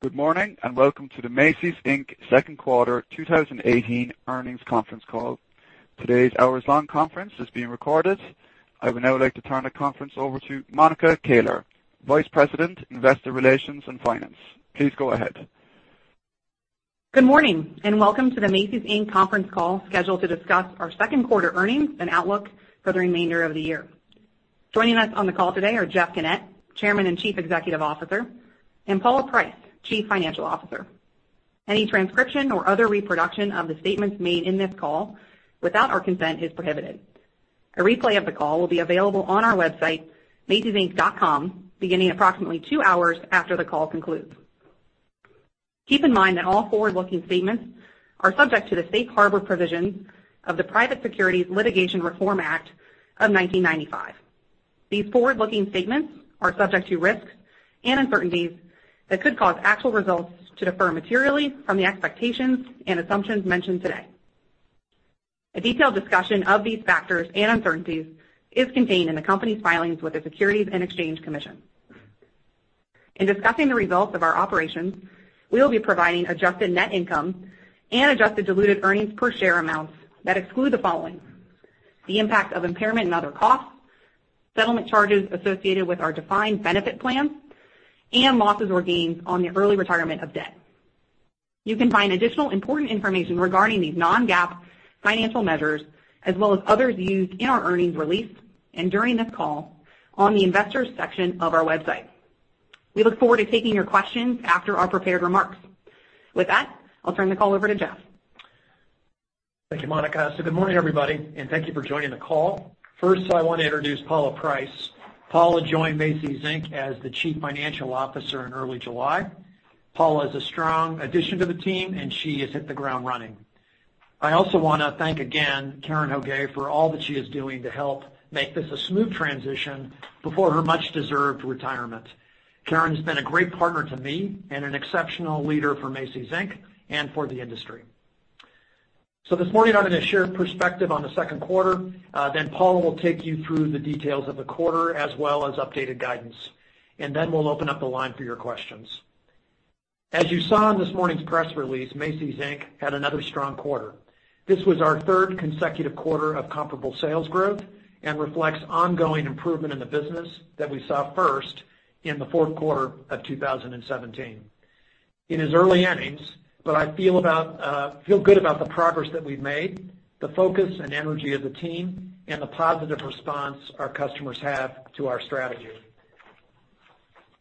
Good morning, and welcome to the Macy's Inc. second quarter 2018 earnings conference call. Today's hours-long conference is being recorded. I would now like to turn the conference over to Monica Kelly, Vice President, Investor Relations and Finance. Please go ahead. Good morning, and welcome to the Macy's Inc. conference call scheduled to discuss our second quarter earnings and outlook for the remainder of the year. Joining us on the call today are Jeff Gennette, Chairman and Chief Executive Officer, and Paula Price, Chief Financial Officer. Any transcription or other reproduction of the statements made in this call without our consent is prohibited. A replay of the call will be available on our website, macysinc.com, beginning approximately 2 hours after the call concludes. Keep in mind that all forward-looking statements are subject to the safe harbor provisions of the Private Securities Litigation Reform Act of 1995. These forward-looking statements are subject to risks and uncertainties that could cause actual results to differ materially from the expectations and assumptions mentioned today. A detailed discussion of these factors and uncertainties is contained in the company's filings with the Securities and Exchange Commission. In discussing the results of our operations, we will be providing adjusted net income and adjusted diluted earnings per share amounts that exclude the following: the impact of impairment and other costs, settlement charges associated with our defined benefit plan, and losses or gains on the early retirement of debt. You can find additional important information regarding these non-GAAP financial measures, as well as others used in our earnings release and during this call on the Investors section of our website. We look forward to taking your questions after our prepared remarks. With that, I'll turn the call over to Jeff. Thank you, Monica. Good morning, everybody, and thank you for joining the call. First, I want to introduce Paula Price. Paula joined Macy's Inc. as the Chief Financial Officer in early July. Paula is a strong addition to the team, and she has hit the ground running. I also want to thank again Karen Hoguet for all that she is doing to help make this a smooth transition before her much-deserved retirement. Karen's been a great partner to me and an exceptional leader for Macy's Inc. and for the industry. This morning, I'm going to share perspective on the second quarter, then Paula will take you through the details of the quarter as well as updated guidance. Then we'll open up the line for your questions. As you saw in this morning's press release, Macy's Inc. had another strong quarter. This was our third consecutive quarter of comparable sales growth and reflects ongoing improvement in the business that we saw first in the fourth quarter of 2017. It is early innings, but I feel good about the progress that we've made, the focus and energy of the team, and the positive response our customers have to our strategy.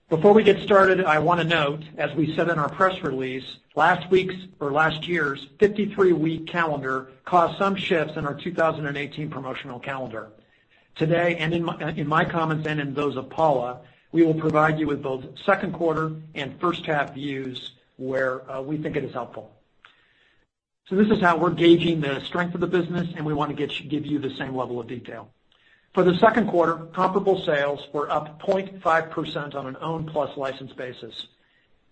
Before we get started, I want to note, as we said in our press release, last year's 53-week calendar caused some shifts in our 2018 promotional calendar. Today, in my comments and in those of Paula, we will provide you with both second quarter and first half views where we think it is helpful. This is how we're gauging the strength of the business, and we want to give you the same level of detail. For the second quarter, comparable sales were up 0.5% on an owned plus licensed basis.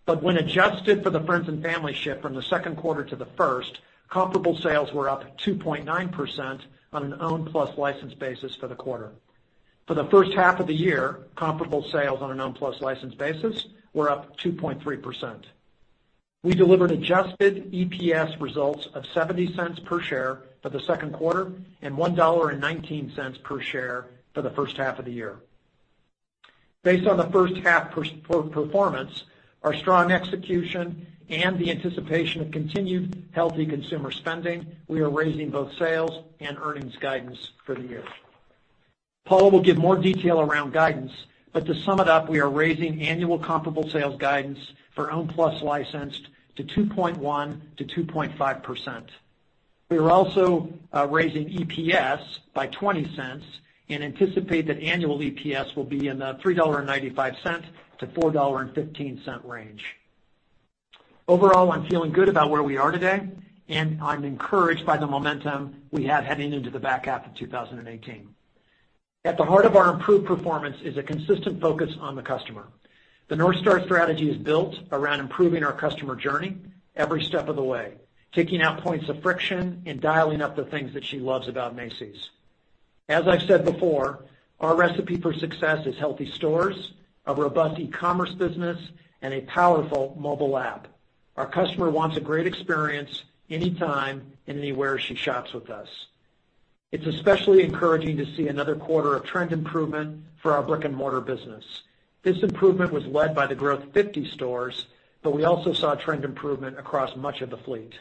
When adjusted for the friends and family shift from the second quarter to the first, comparable sales were up 2.9% on an owned plus licensed basis for the quarter. For the first half of the year, comparable sales on an owned plus licensed basis were up 2.3%. We delivered adjusted EPS results of $0.70 per share for the second quarter and $1.19 per share for the first half of the year. Based on the first half performance, our strong execution, and the anticipation of continued healthy consumer spending, we are raising both sales and earnings guidance for the year. Paula will give more detail around guidance, but to sum it up, we are raising annual comparable sales guidance for owned plus licensed to 2.1%-2.5%. We are also raising EPS by $0.20 and anticipate that annual EPS will be in the $3.95-$4.15 range. Overall, I'm feeling good about where we are today, and I'm encouraged by the momentum we have heading into the back half of 2018. At the heart of our improved performance is a consistent focus on the customer. The North Star strategy is built around improving our customer journey every step of the way, taking out points of friction and dialing up the things that she loves about Macy's. As I've said before, our recipe for success is healthy stores, a robust e-commerce business, and a powerful mobile app. Our customer wants a great experience anytime and anywhere she shops with us. It's especially encouraging to see another quarter of trend improvement for our brick-and-mortar business. This improvement was led by the Growth 50 stores, but we also saw trend improvement across much of the fleet.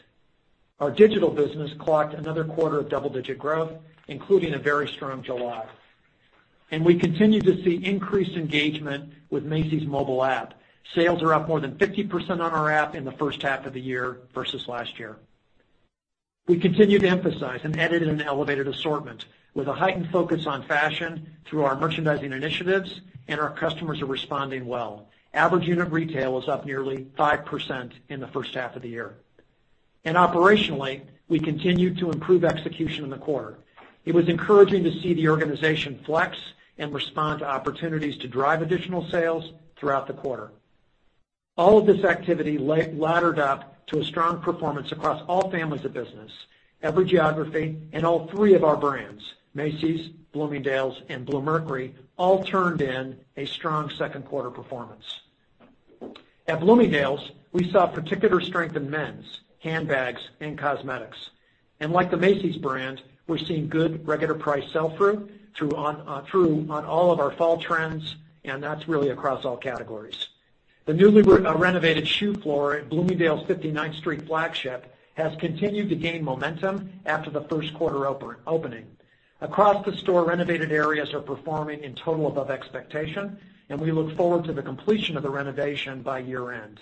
Our digital business clocked another quarter of double-digit growth, including a very strong July. We continue to see increased engagement with Macy's mobile app. Sales are up more than 50% on our app in the first half of the year versus last year. We continue to emphasize an edited and elevated assortment with a heightened focus on fashion through our merchandising initiatives, and our customers are responding well. Average unit retail is up nearly 5% in the first half of the year. Operationally, we continue to improve execution in the quarter. It was encouraging to see the organization flex and respond to opportunities to drive additional sales throughout the quarter. All of this activity laddered up to a strong performance across all families of business, every geography, and all three of our brands, Macy's, Bloomingdale's, and Bluemercury, all turned in a strong second quarter performance. At Bloomingdale's, we saw particular strength in men's, handbags, and cosmetics. Like the Macy's brand, we're seeing good regular price sell-through on all of our fall trends, that's really across all categories. The newly renovated shoe floor at Bloomingdale's 59th Street flagship has continued to gain momentum after the first quarter opening. Across the store, renovated areas are performing in total above expectation, and we look forward to the completion of the renovation by year-end.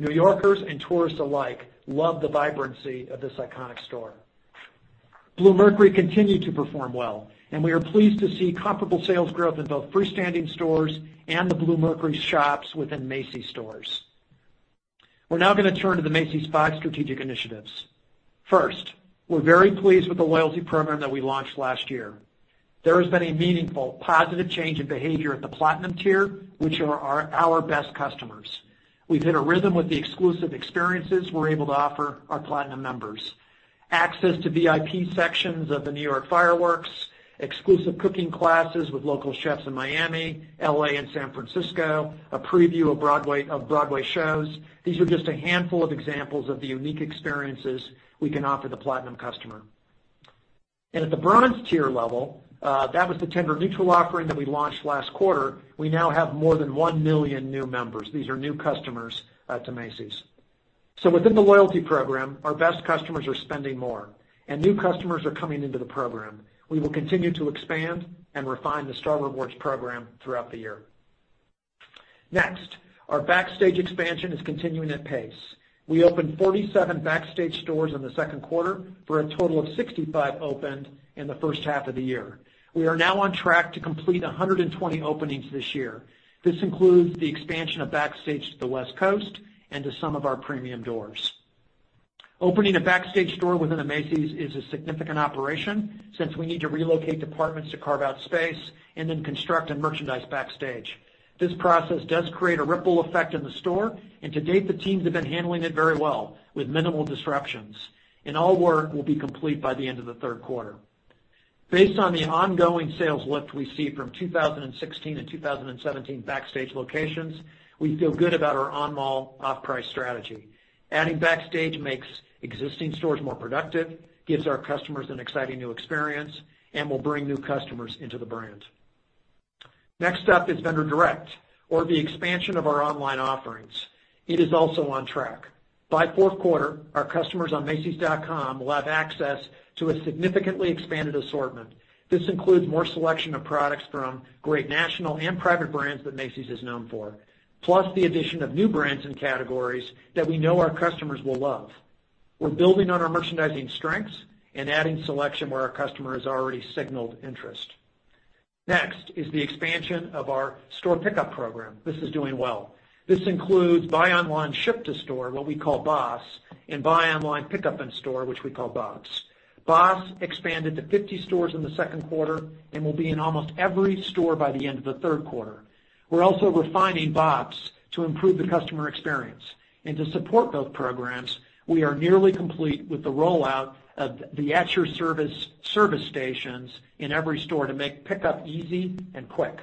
New Yorkers and tourists alike love the vibrancy of this iconic store. Bluemercury continued to perform well, and we are pleased to see comparable sales growth in both freestanding stores and the Bluemercury shops within Macy's stores. We're now going to turn to the Macy's five strategic initiatives. First, we're very pleased with the loyalty program that we launched last year. There has been a meaningful positive change in behavior at the platinum tier, which are our best customers. We've hit a rhythm with the exclusive experiences we're able to offer our platinum members. Access to VIP sections of the New York fireworks, exclusive cooking classes with local chefs in Miami, L.A., and San Francisco, a preview of Broadway shows. These are just a handful of examples of the unique experiences we can offer the platinum customer. At the bronze tier level, that was the tender neutral offering that we launched last quarter. We now have more than one million new members. These are new customers to Macy's. Within the loyalty program, our best customers are spending more and new customers are coming into the program. We will continue to expand and refine the Star Rewards program throughout the year. Next, our Backstage expansion is continuing at pace. We opened 47 Backstage stores in the second quarter for a total of 65 opened in the first half of the year. We are now on track to complete 120 openings this year. This includes the expansion of Backstage to the West Coast and to some of our premium doors. Opening a Backstage store within a Macy's is a significant operation since we need to relocate departments to carve out space and then construct and merchandise Backstage. This process does create a ripple effect in the store, and to date, the teams have been handling it very well with minimal disruptions. All work will be complete by the end of the third quarter. Based on the ongoing sales lift we see from 2016 and 2017 Backstage locations, we feel good about our on-mall off-price strategy. Adding Backstage makes existing stores more productive, gives our customers an exciting new experience, and will bring new customers into the brand. Next up is vendor direct or the expansion of our online offerings. It is also on track. By fourth quarter, our customers on macys.com will have access to a significantly expanded assortment. This includes more selection of products from great national and private brands that Macy's is known for, plus the addition of new brands and categories that we know our customers will love. We're building on our merchandising strengths and adding selection where our customers already signaled interest. Next is the expansion of our store pickup program. This is doing well. This includes buy online, ship to store, what we call BOSS, and buy online, pickup in store, which we call BOPS. BOSS expanded to 50 stores in the second quarter and will be in almost every store by the end of the third quarter. We're also refining BOPS to improve the customer experience. To support both programs, we are nearly complete with the rollout of the At Your Service service stations in every store to make pickup easy and quick.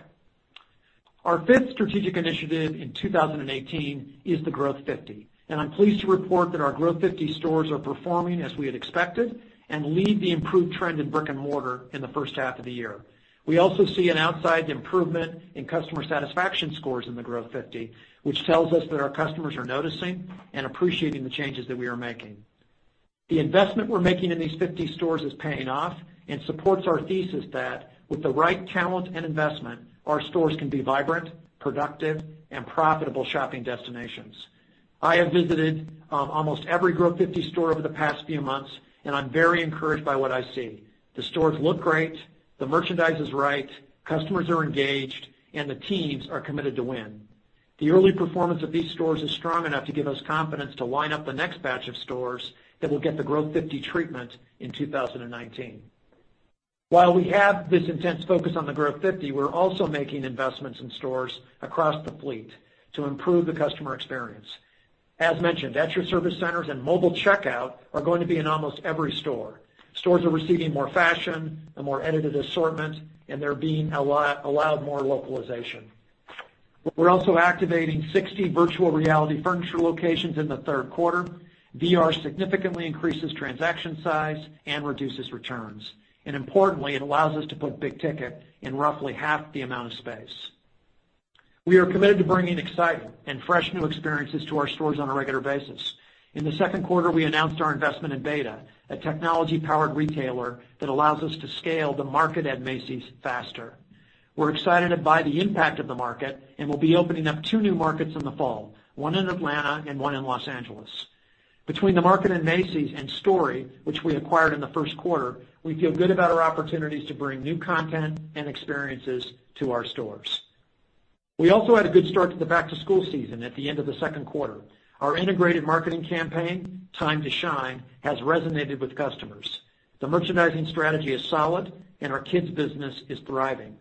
Our fifth strategic initiative in 2018 is the Growth 50, and I'm pleased to report that our Growth 50 stores are performing as we had expected and lead the improved trend in brick and mortar in the first half of the year. We also see an outside improvement in customer satisfaction scores in the Growth 50, which tells us that our customers are noticing and appreciating the changes that we are making. The investment we're making in these 50 stores is paying off and supports our thesis that with the right talent and investment, our stores can be vibrant, productive, and profitable shopping destinations. I have visited almost every Growth 50 store over the past few months, and I'm very encouraged by what I see. The stores look great, the merchandise is right, customers are engaged, and the teams are committed to win. The early performance of these stores is strong enough to give us confidence to line up the next batch of stores that will get the Growth 50 treatment in 2019. While we have this intense focus on the Growth 50, we're also making investments in stores across the fleet to improve the customer experience. As mentioned, At Your Service centers and mobile checkout are going to be in almost every store. Stores are receiving more fashion, a more edited assortment, and they're being allowed more localization. We're also activating 60 virtual reality furniture locations in the third quarter. VR significantly increases transaction size and reduces returns. Importantly, it allows us to put big ticket in roughly half the amount of space. We are committed to bringing exciting and fresh new experiences to our stores on a regular basis. In the second quarter, we announced our investment in b8ta, a technology-powered retailer that allows us to scale The Market @ Macy's faster. We're excited by the impact of The Market, and we'll be opening up two new markets in the fall, one in Atlanta and one in L.A. Between The Market in Macy's and Story, which we acquired in the first quarter, we feel good about our opportunities to bring new content and experiences to our stores. We also had a good start to the back-to-school season at the end of the second quarter. Our integrated marketing campaign, Time to Shine, has resonated with customers. The merchandising strategy is solid and our kids business is thriving.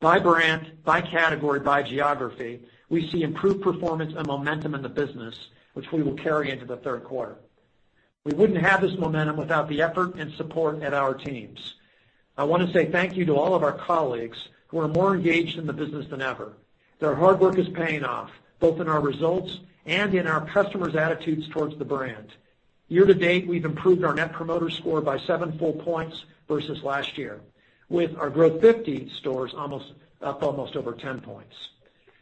By brand, by category, by geography, we see improved performance and momentum in the business, which we will carry into the third quarter. We wouldn't have this momentum without the effort and support at our teams. I want to say thank you to all of our colleagues who are more engaged in the business than ever. Their hard work is paying off, both in our results and in our customers' attitudes towards the brand. Year-to-date, we've improved our Net Promoter Score by seven full points versus last year, with our Growth50 stores up almost over 10 points.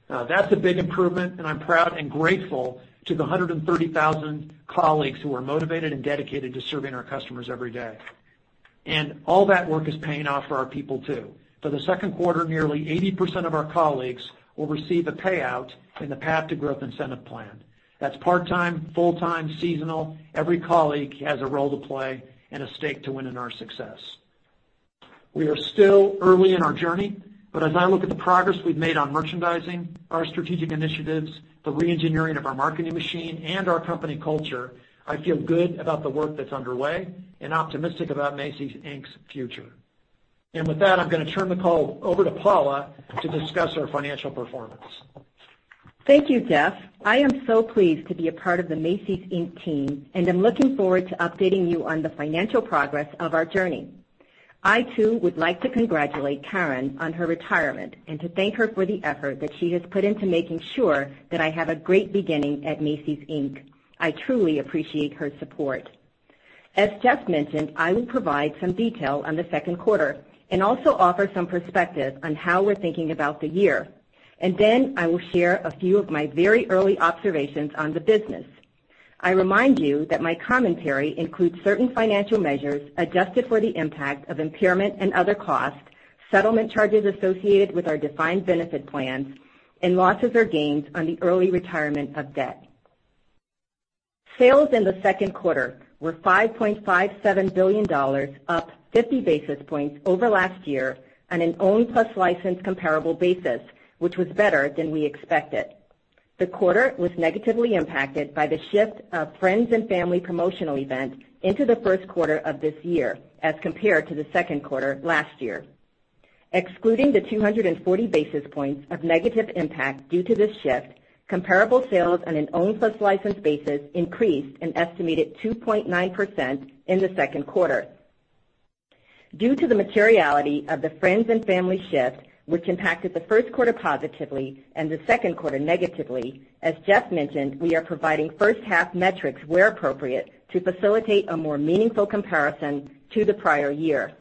That's a big improvement, I'm proud and grateful to the 130,000 colleagues who are motivated and dedicated to serving our customers every day. All that work is paying off for our people, too. For the second quarter, nearly 80% of our colleagues will receive a payout in the Path to Growth incentive plan. That's part-time, full-time, seasonal. Every colleague has a role to play and a stake to win in our success. We are still early in our journey, but as I look at the progress we've made on merchandising our strategic initiatives, the re-engineering of our marketing machine, our company culture, I feel good about the work that's underway and optimistic about Macy's Inc.'s future. With that, I'm going to turn the call over to Paula to discuss our financial performance. Thank you, Jeff. I am so pleased to be a part of the Macy's Inc. team, and I'm looking forward to updating you on the financial progress of our journey. I, too, would like to congratulate Karen on her retirement and to thank her for the effort that she has put into making sure that I have a great beginning at Macy's Inc. I truly appreciate her support. As Jeff mentioned, I will provide some detail on the second quarter and also offer some perspective on how we're thinking about the year. Then I will share a few of my very early observations on the business. I remind you that my commentary includes certain financial measures adjusted for the impact of impairment and other costs, settlement charges associated with our defined benefit plans, and losses or gains on the early retirement of debt. Sales in the second quarter were $5.57 billion, up 50 basis points over last year on an owned plus licensed comparable basis, which was better than we expected. The quarter was negatively impacted by the shift of Friends and Family promotional event into the first quarter of this year as compared to the second quarter last year. Excluding the 240 basis points of negative impact due to this shift, comparable sales on an owned plus licensed basis increased an estimated 2.9% in the second quarter. Due to the materiality of the Friends and Family shift, which impacted the first quarter positively and the second quarter negatively, as Jeff mentioned, we are providing first-half metrics where appropriate to facilitate a more meaningful comparison to the prior year.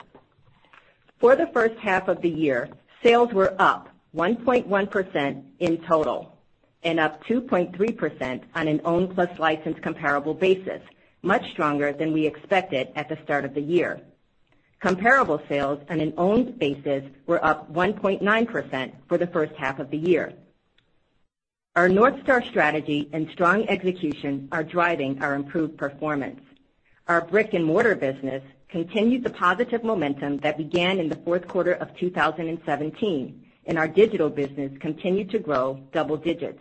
For the first half of the year, sales were up 1.1% in total and up 2.3% on an owned plus licensed comparable basis, much stronger than we expected at the start of the year. Comparable sales on an owned basis were up 1.9% for the first half of the year. Our North Star strategy and strong execution are driving our improved performance. Our brick-and-mortar business continued the positive momentum that began in the fourth quarter of 2017, and our digital business continued to grow double digits.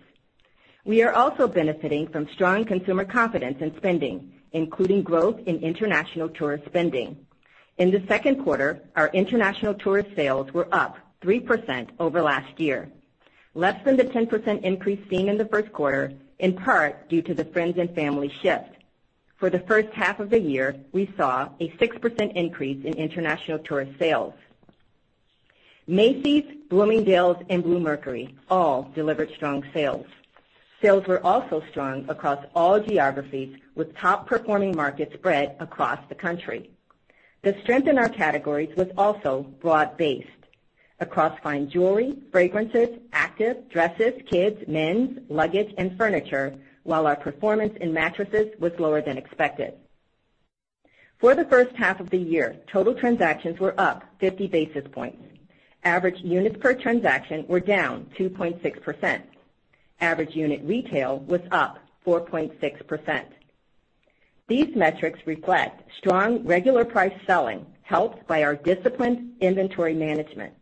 We are also benefiting from strong consumer confidence in spending, including growth in international tourist spending. In the second quarter, our international tourist sales were up 3% over last year, less than the 10% increase seen in the first quarter, in part due to the Friends and Family shift. For the first half of the year, we saw a 6% increase in international tourist sales. Macy's, Bloomingdale's, and Bluemercury all delivered strong sales. Sales were also strong across all geographies, with top-performing markets spread across the country. The strength in our categories was also broad-based across fine jewelry, fragrances, active, dresses, kids, men's, luggage, and furniture, while our performance in mattresses was lower than expected. For the first half of the year, total transactions were up 50 basis points. Average units per transaction were down 2.6%. Average unit retail was up 4.6%. These metrics reflect strong regular price selling, helped by our disciplined inventory management.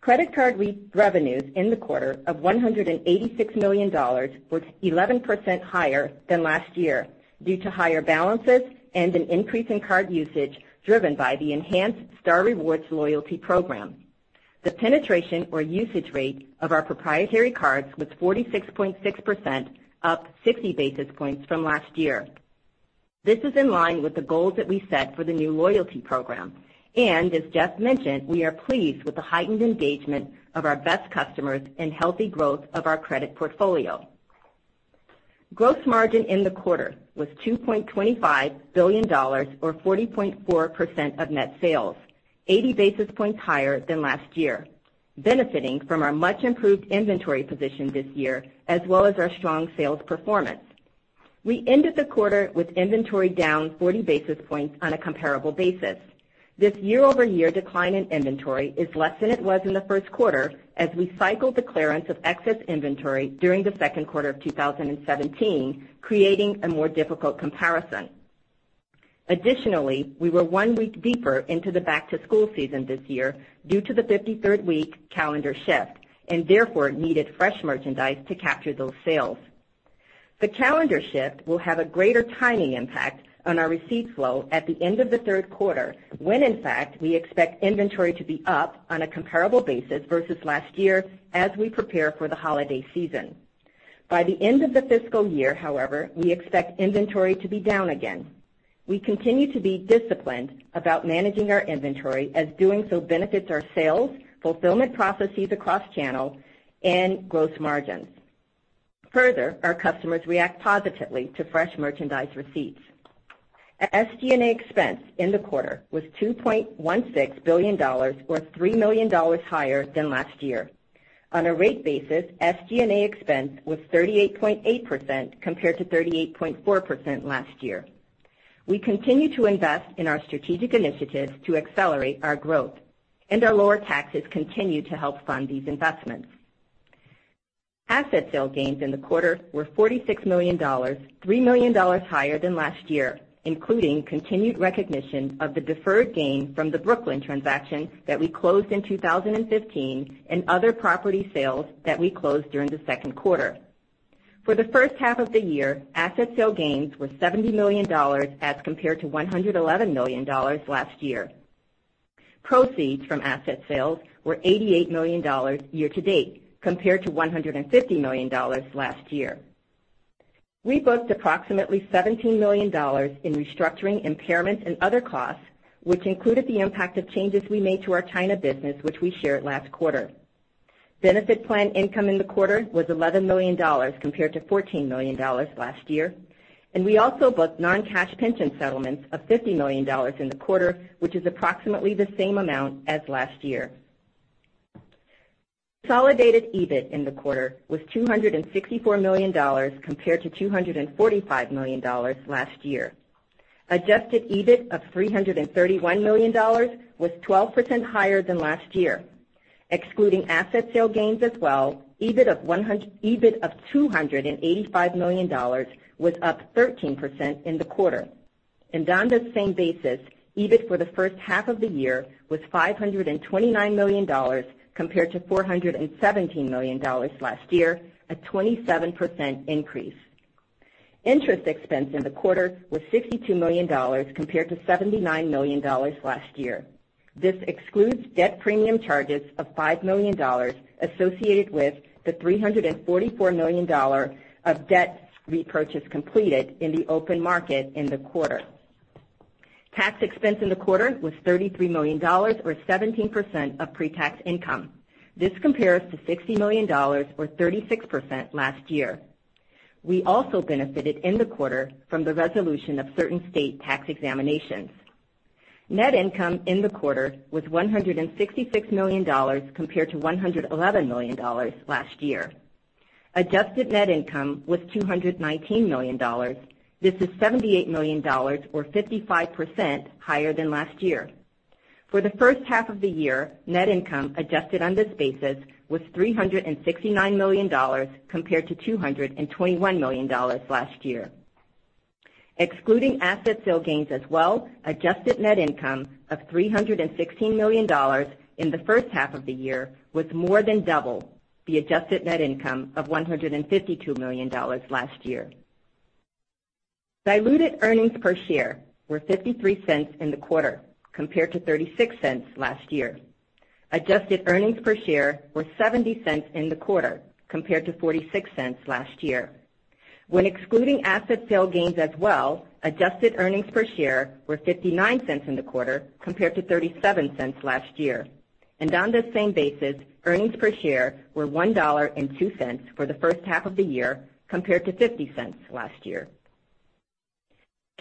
Credit card revenues in the quarter of $186 million was 11% higher than last year due to higher balances and an increase in card usage driven by the enhanced Star Rewards loyalty program. The penetration or usage rate of our proprietary cards was 46.6%, up 60 basis points from last year. As Jeff mentioned, we are pleased with the heightened engagement of our best customers and healthy growth of our credit portfolio. Gross margin in the quarter was $2.25 billion or 40.4% of net sales, 80 basis points higher than last year, benefiting from our much-improved inventory position this year as well as our strong sales performance. We ended the quarter with inventory down 40 basis points on a comparable basis. This year-over-year decline in inventory is less than it was in the first quarter as we cycled the clearance of excess inventory during the second quarter of 2017, creating a more difficult comparison. We were one week deeper into the back-to-school season this year due to the 53rd week calendar shift and therefore needed fresh merchandise to capture those sales. The calendar shift will have a greater timing impact on our receipt flow at the end of the third quarter, when in fact, we expect inventory to be up on a comparable basis versus last year as we prepare for the holiday season. By the end of the fiscal year, however, we expect inventory to be down again. We continue to be disciplined about managing our inventory as doing so benefits our sales, fulfillment processes across channels, and gross margins. Our customers react positively to fresh merchandise receipts. SG&A expense in the quarter was $2.16 billion, or $3 million higher than last year. On a rate basis, SG&A expense was 38.8% compared to 38.4% last year. We continue to invest in our strategic initiatives to accelerate our growth, and our lower taxes continue to help fund these investments. Asset sale gains in the quarter were $46 million, $3 million higher than last year, including continued recognition of the deferred gain from the Brooklyn transaction that we closed in 2015 and other property sales that we closed during the second quarter. For the first half of the year, asset sale gains were $70 million as compared to $111 million last year. Proceeds from asset sales were $88 million year-to-date, compared to $150 million last year. We booked approximately $17 million in restructuring impairment and other costs, which included the impact of changes we made to our China business, which we shared last quarter. Benefit plan income in the quarter was $11 million compared to $14 million last year. We also booked non-cash pension settlements of $50 million in the quarter, which is approximately the same amount as last year. Consolidated EBIT in the quarter was $264 million, compared to $245 million last year. Adjusted EBIT of $331 million was 12% higher than last year. Excluding asset sale gains as well, EBIT of $285 million was up 13% in the quarter. On the same basis, EBIT for the first half of the year was $529 million, compared to $417 million last year, a 27% increase. Interest expense in the quarter was $62 million compared to $79 million last year. This excludes debt premium charges of $5 million associated with the $344 million of debt repurchase completed in the open market in the quarter. Tax expense in the quarter was $33 million or 17% of pre-tax income. This compares to $60 million or 36% last year. We also benefited in the quarter from the resolution of certain state tax examinations. Net income in the quarter was $166 million, compared to $111 million last year. Adjusted net income was $219 million. This is $78 million, or 55%, higher than last year. For the first half of the year, net income adjusted on this basis was $369 million, compared to $221 million last year. Excluding asset sale gains as well, adjusted net income of $316 million in the first half of the year was more than double the adjusted net income of $152 million last year. Diluted earnings per share were $0.53 in the quarter, compared to $0.36 last year. Adjusted earnings per share were $0.70 in the quarter, compared to $0.46 last year. When excluding asset sale gains as well, adjusted earnings per share were $0.59 in the quarter, compared to $0.37 last year. On the same basis, earnings per share were $1.02 for the first half of the year, compared to $0.50 last year.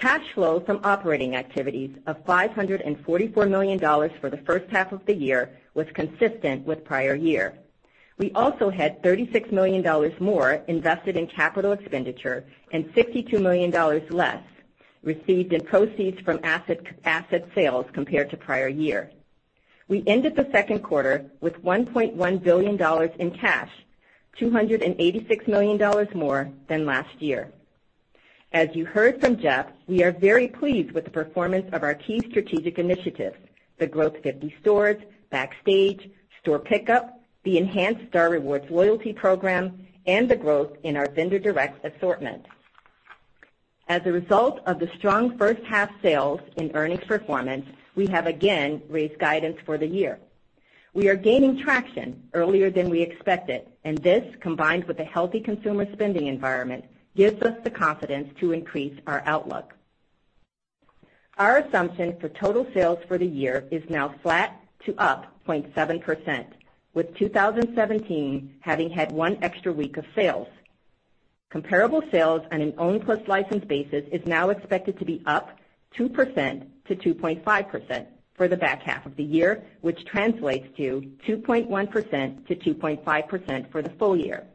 Cash flow from operating activities of $544 million for the first half of the year was consistent with prior year. We also had $36 million more invested in capital expenditure and $62 million less received in proceeds from asset sales compared to prior year. We ended the second quarter with $1.1 billion in cash, $286 million more than last year. As you heard from Jeff, we are very pleased with the performance of our key strategic initiatives, the Growth 50 stores, Backstage, store pickup, the enhanced Star Rewards loyalty program, and the growth in our vendor direct assortment. As a result of the strong first half sales and earnings performance, we have again raised guidance for the year. We are gaining traction earlier than we expected, and this, combined with a healthy consumer spending environment, gives us the confidence to increase our outlook. Our assumption for total sales for the year is now flat to up 0.7%, with 2017 having had one extra week of sales. Comparable sales on an owned plus licensed basis is now expected to be up 2%-2.5% for the back half of the year, which translates to 2.1%-2.5% for the full year.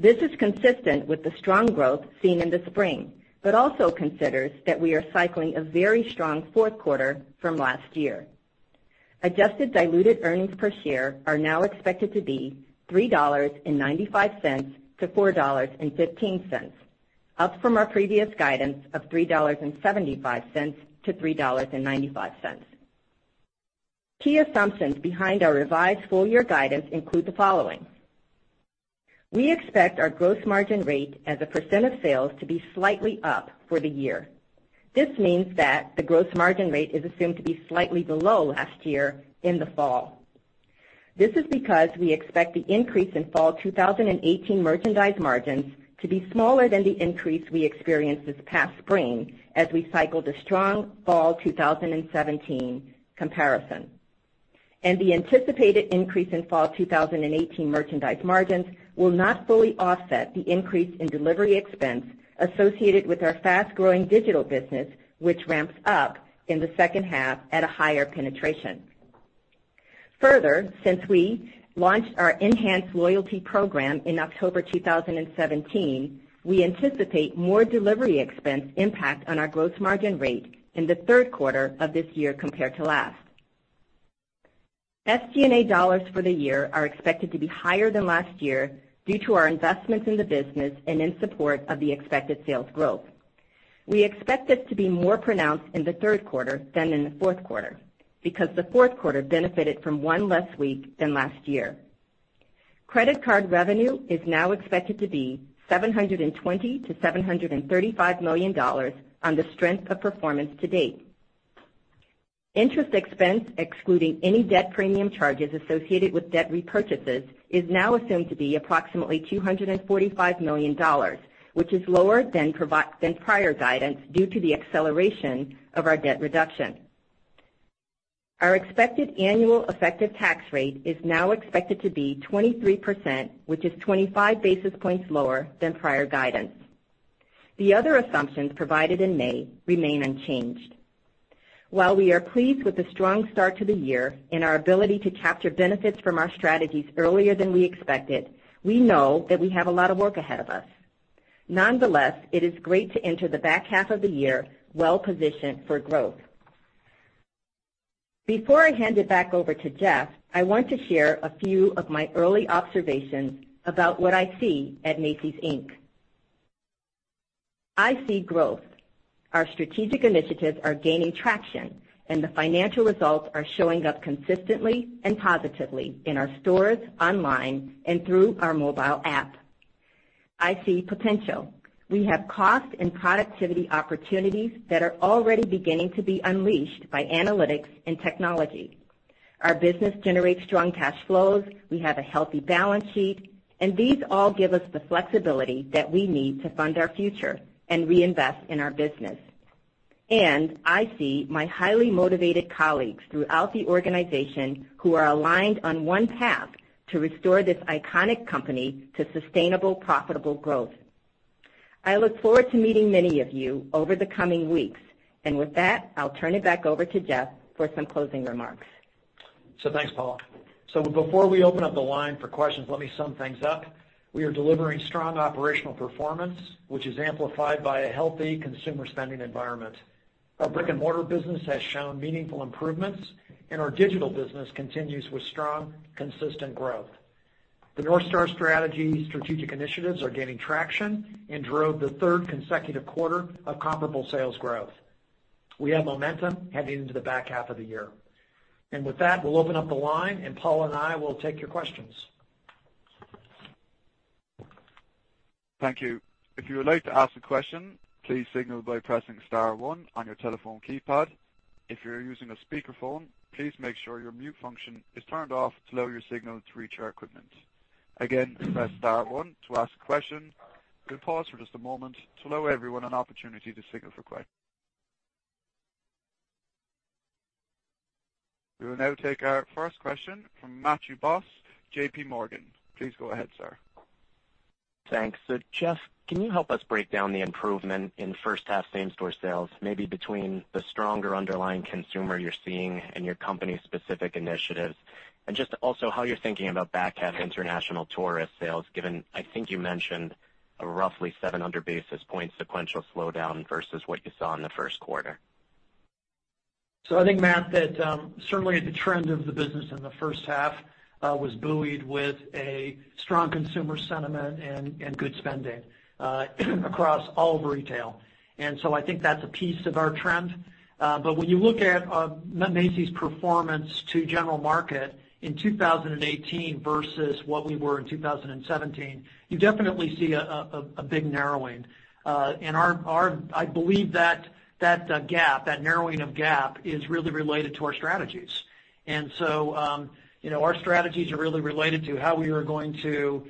This is consistent with the strong growth seen in the spring, but also considers that we are cycling a very strong fourth quarter from last year. Adjusted diluted earnings per share are now expected to be $3.95-$4.15, up from our previous guidance of $3.75-$3.95. Key assumptions behind our revised full-year guidance include the following. We expect our gross margin rate as a % of sales to be slightly up for the year. This means that the gross margin rate is assumed to be slightly below last year in the fall. This is because we expect the increase in fall 2018 merchandise margins to be smaller than the increase we experienced this past spring as we cycled a strong fall 2017 comparison. The anticipated increase in fall 2018 merchandise margins will not fully offset the increase in delivery expense associated with our fast-growing digital business, which ramps up in the second half at a higher penetration. Further, since we launched our enhanced loyalty program in October 2017, we anticipate more delivery expense impact on our gross margin rate in the third quarter of this year compared to last. SG&A dollars for the year are expected to be higher than last year due to our investments in the business and in support of the expected sales growth. We expect this to be more pronounced in the third quarter than in the fourth quarter because the fourth quarter benefited from one less week than last year. Credit card revenue is now expected to be $720 million-$735 million on the strength of performance to date. Interest expense, excluding any debt premium charges associated with debt repurchases, is now assumed to be approximately $245 million, which is lower than prior guidance due to the acceleration of our debt reduction. Our expected annual effective tax rate is now expected to be 23%, which is 25 basis points lower than prior guidance. The other assumptions provided in May remain unchanged. While we are pleased with the strong start to the year and our ability to capture benefits from our strategies earlier than we expected, we know that we have a lot of work ahead of us. Nonetheless, it is great to enter the back half of the year well-positioned for growth. Before I hand it back over to Jeff, I want to share a few of my early observations about what I see at Macy's, Inc. I see growth. Our strategic initiatives are gaining traction, and the financial results are showing up consistently and positively in our stores, online, and through our mobile app. I see potential. We have cost and productivity opportunities that are already beginning to be unleashed by analytics and technology. Our business generates strong cash flows. We have a healthy balance sheet. These all give us the flexibility that we need to fund our future and reinvest in our business. I see my highly motivated colleagues throughout the organization who are aligned on one path to restore this iconic company to sustainable, profitable growth. I look forward to meeting many of you over the coming weeks. With that, I'll turn it back over to Jeff for some closing remarks. Thanks, Paula. Before we open up the line for questions, let me sum things up. We are delivering strong operational performance, which is amplified by a healthy consumer spending environment. Our brick-and-mortar business has shown meaningful improvements, and our digital business continues with strong, consistent growth. The North Star strategy strategic initiatives are gaining traction and drove the third consecutive quarter of comparable sales growth. We have momentum heading into the back half of the year. With that, we'll open up the line, and Paula and I will take your questions. Thank you. If you would like to ask a question, please signal by pressing star one on your telephone keypad. If you're using a speakerphone, please make sure your mute function is turned off to allow your signal to reach our equipment. Again, press star one to ask a question. We'll pause for just a moment to allow everyone an opportunity to signal for. We will now take our first question from Matthew Boss, JPMorgan. Please go ahead, sir. Thanks. Jeff, can you help us break down the improvement in first half same-store sales, maybe between the stronger underlying consumer you're seeing and your company's specific initiatives? And just also how you're thinking about back half international tourist sales, given, I think you mentioned a roughly 700 basis point sequential slowdown versus what you saw in the first quarter. I think, Matt, that certainly the trend of the business in the first half was buoyed with a strong consumer sentiment and good spending across all of retail. I think that's a piece of our trend. When you look at Macy's performance to general market in 2018 versus what we were in 2017, you definitely see a big narrowing. I believe that narrowing of gap is really related to our strategies. Our strategies are really related to how we are going to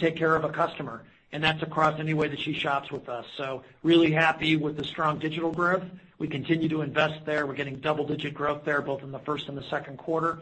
take care of a customer, and that's across any way that she shops with us. Really happy with the strong digital growth. We continue to invest there. We're getting double-digit growth there, both in the first and the second quarter.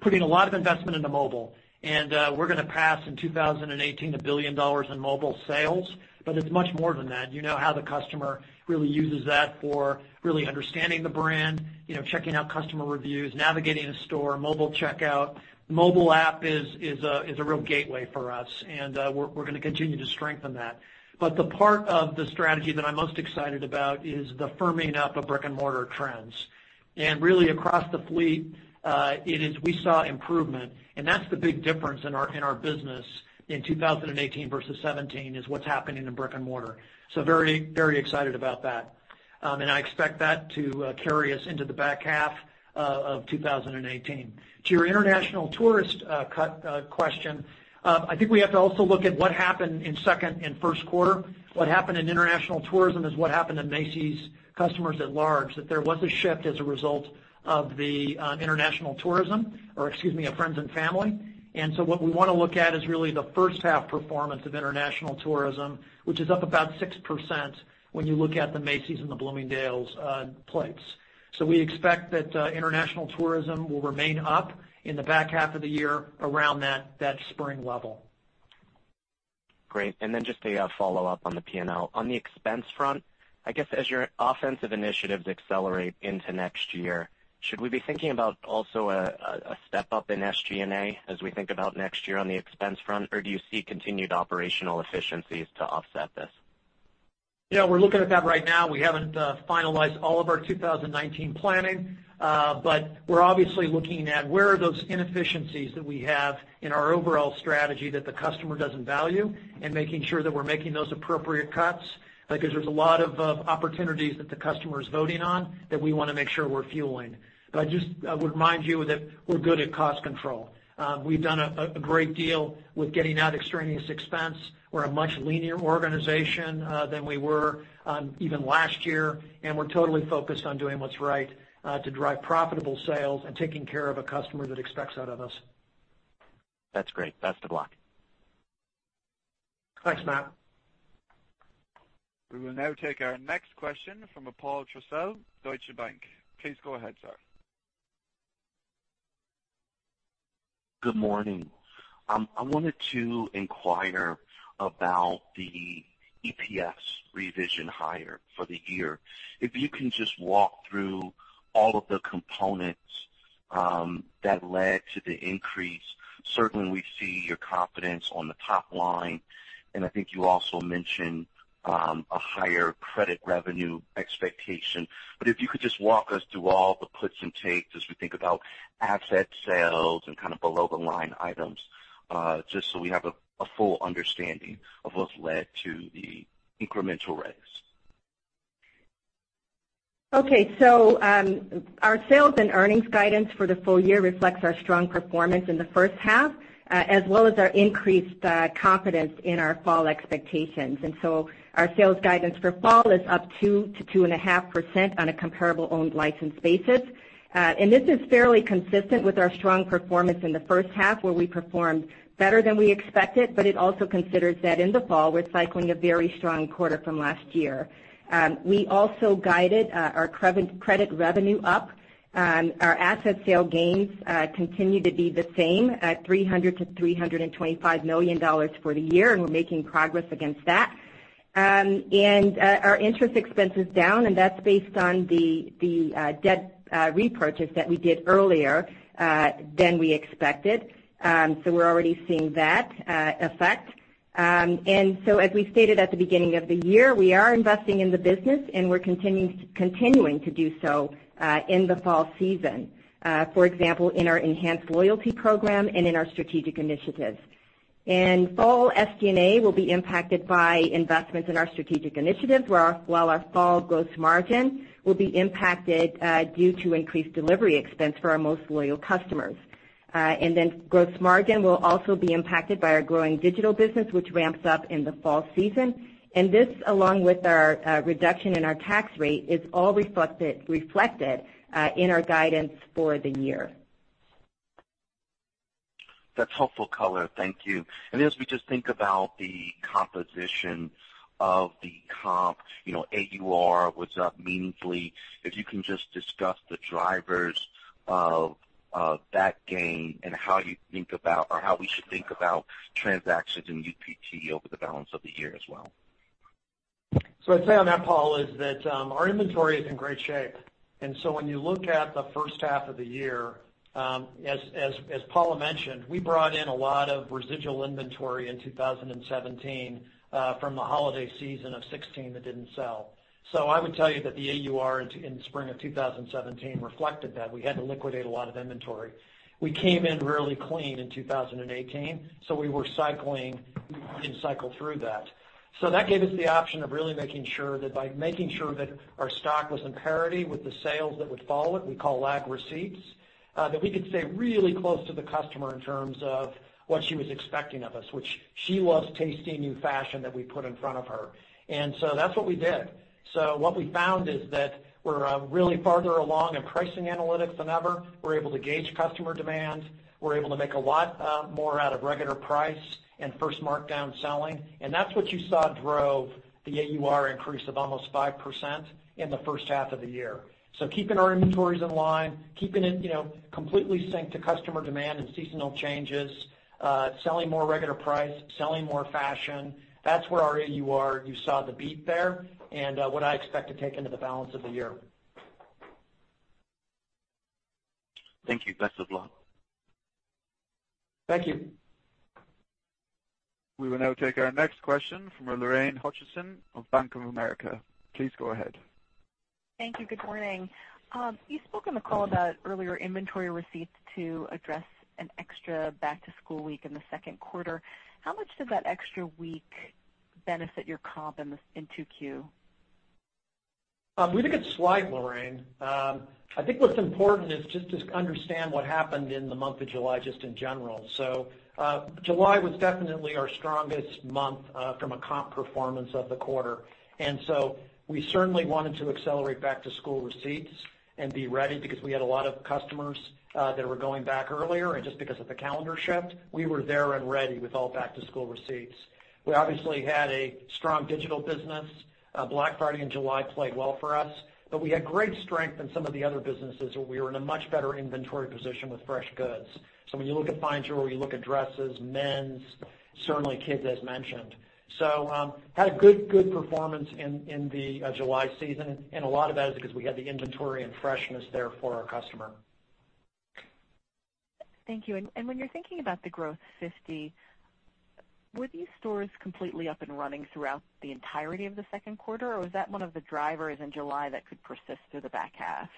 Putting a lot of investment into mobile. We're going to pass in 2018 $1 billion in mobile sales, it's much more than that. You know how the customer really uses that for really understanding the brand, checking out customer reviews, navigating a store, mobile checkout. Mobile app is a real gateway for us, we're going to continue to strengthen that. The part of the strategy that I'm most excited about is the firming up of brick-and-mortar trends. Really across the fleet, we saw improvement. That's the big difference in our business in 2018 versus 2017 is what's happening in brick-and-mortar. Very excited about that. I expect that to carry us into the back half of 2018. To your international tourist question, I think we have to also look at what happened in second and first quarter. What happened in international tourism is what happened to Macy's customers at large, that there was a shift as a result of the international tourism, or excuse me, of friends and family. What we want to look at is really the first half performance of international tourism, which is up about 6% when you look at the Macy's and the Bloomingdale's plates. We expect that international tourism will remain up in the back half of the year around that spring level. Great. Just a follow-up on the P&L. On the expense front, I guess as your offensive initiatives accelerate into next year, should we be thinking about also a step up in SG&A as we think about next year on the expense front? Do you see continued operational efficiencies to offset this? We're looking at that right now. We haven't finalized all of our 2019 planning. We're obviously looking at where are those inefficiencies that we have in our overall strategy that the customer doesn't value and making sure that we're making those appropriate cuts. There's a lot of opportunities that the customer is voting on that we want to make sure we're fueling. I just would remind you that we're good at cost control. We've done a great deal with getting out extraneous expense. We're a much leaner organization than we were even last year, we're totally focused on doing what's right, to drive profitable sales and taking care of a customer that expects that of us. That's great. Best of luck. Thanks, Matt. We will now take our next question from Paul Trussell, Deutsche Bank. Please go ahead, sir. Good morning. I wanted to inquire about the EPS revision higher for the year. If you can just walk through all of the components that led to the increase. Certainly, we see your confidence on the top line, and I think you also mentioned a higher credit revenue expectation. If you could just walk us through all the puts and takes as we think about asset sales and kind of below the line items, just so we have a full understanding of what's led to the incremental raise. Okay. Our sales and earnings guidance for the full year reflects our strong performance in the first half, as well as our increased confidence in our fall expectations. Our sales guidance for fall is up 2%-2.5% on a comparable owned license basis. This is fairly consistent with our strong performance in the first half, where we performed better than we expected, but it also considers that in the fall, we're cycling a very strong quarter from last year. We also guided our credit revenue up. Our asset sale gains continue to be the same at $300 million-$325 million for the year, and we're making progress against that. Our interest expense is down, and that's based on the debt repurchase that we did earlier than we expected. We're already seeing that effect. As we stated at the beginning of the year, we are investing in the business, and we're continuing to do so in the fall season. For example, in our enhanced loyalty program and in our strategic initiatives. Fall SG&A will be impacted by investments in our strategic initiatives, while our fall gross margin will be impacted due to increased delivery expense for our most loyal customers. Gross margin will also be impacted by our growing digital business, which ramps up in the fall season. This, along with our reduction in our tax rate, is all reflected in our guidance for the year. That's helpful color. Thank you. As we just think about the composition of the comp, AUR was up meaningfully. If you can just discuss the drivers of that gain and how you think about or how we should think about transactions in UPT over the balance of the year as well. What I'd say on that, Paul, is that our inventory is in great shape. When you look at the first half of the year, as Paula mentioned, we brought in a lot of residual inventory in 2017, from the holiday season of 2016 that didn't sell. I would tell you that the AUR in spring of 2017 reflected that. We had to liquidate a lot of inventory. We came in really clean in 2018, so we were cycling in cycle through that. That gave us the option of really making sure that by making sure that our stock was in parity with the sales that would follow it, we call lag receipts, that we could stay really close to the customer in terms of what she was expecting of us, which she loves tasting new fashion that we put in front of her. That's what we did. What we found is that we're really farther along in pricing analytics than ever. We're able to gauge customer demand. We're able to make a lot more out of regular price and first markdown selling. That's what you saw drove the AUR increase of almost 5% in the first half of the year. Keeping our inventories in line, keeping it completely synced to customer demand and seasonal changes, selling more regular price, selling more fashion, that's where our AUR, you saw the beat there and what I expect to take into the balance of the year. Thank you. Best of luck. Thank you. We will now take our next question from Lorraine Hutchinson of Bank of America. Please go ahead. Thank you. Good morning. You spoke on the call about earlier inventory receipts to address an extra back-to-school week in the second quarter. How much did that extra week benefit your comp in 2Q? We think it's slight, Lorraine. I think what's important is just to understand what happened in the month of July, just in general. July was definitely our strongest month from a comp performance of the quarter. We certainly wanted to accelerate back-to-school receipts and be ready because we had a lot of customers that were going back earlier, and just because of the calendar shift, we were there and ready with all back-to-school receipts. We obviously had a strong digital business. Black Friday in July played well for us, but we had great strength in some of the other businesses where we were in a much better inventory position with fresh goods. When you look at fine jewelry, you look at dresses, men's, certainly kids, as mentioned. Had a good performance in the July season, and a lot of that is because we had the inventory and freshness there for our customer. Thank you. When you're thinking about the Growth 50, were these stores completely up and running throughout the entirety of the second quarter, or was that one of the drivers in July that could persist through the back half?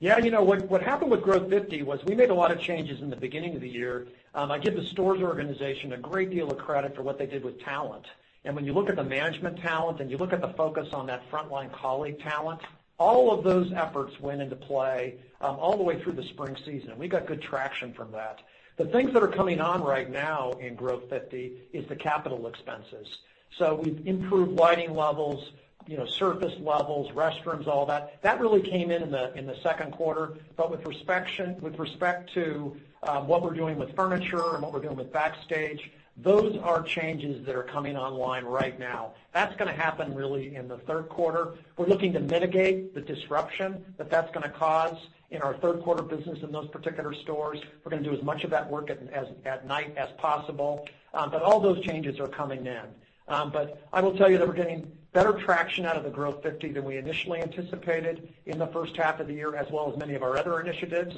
Yeah. What happened with Growth 50 was we made a lot of changes in the beginning of the year. I give the stores organization a great deal of credit for what they did with talent. When you look at the management talent and you look at the focus on that frontline colleague talent, all of those efforts went into play all the way through the spring season. We got good traction from that. The things that are coming on right now in Growth 50 is the capital expenses. We've improved lighting levels, surface levels, restrooms, all that. That really came in in the second quarter. With respect to what we're doing with furniture and what we're doing with Backstage, those are changes that are coming online right now. That's going to happen really in the third quarter. We're looking to mitigate the disruption that that's going to cause in our third quarter business in those particular stores. We're going to do as much of that work at night as possible. All those changes are coming in. I will tell you that we're getting better traction out of the Growth 50 than we initially anticipated in the first half of the year, as well as many of our other initiatives.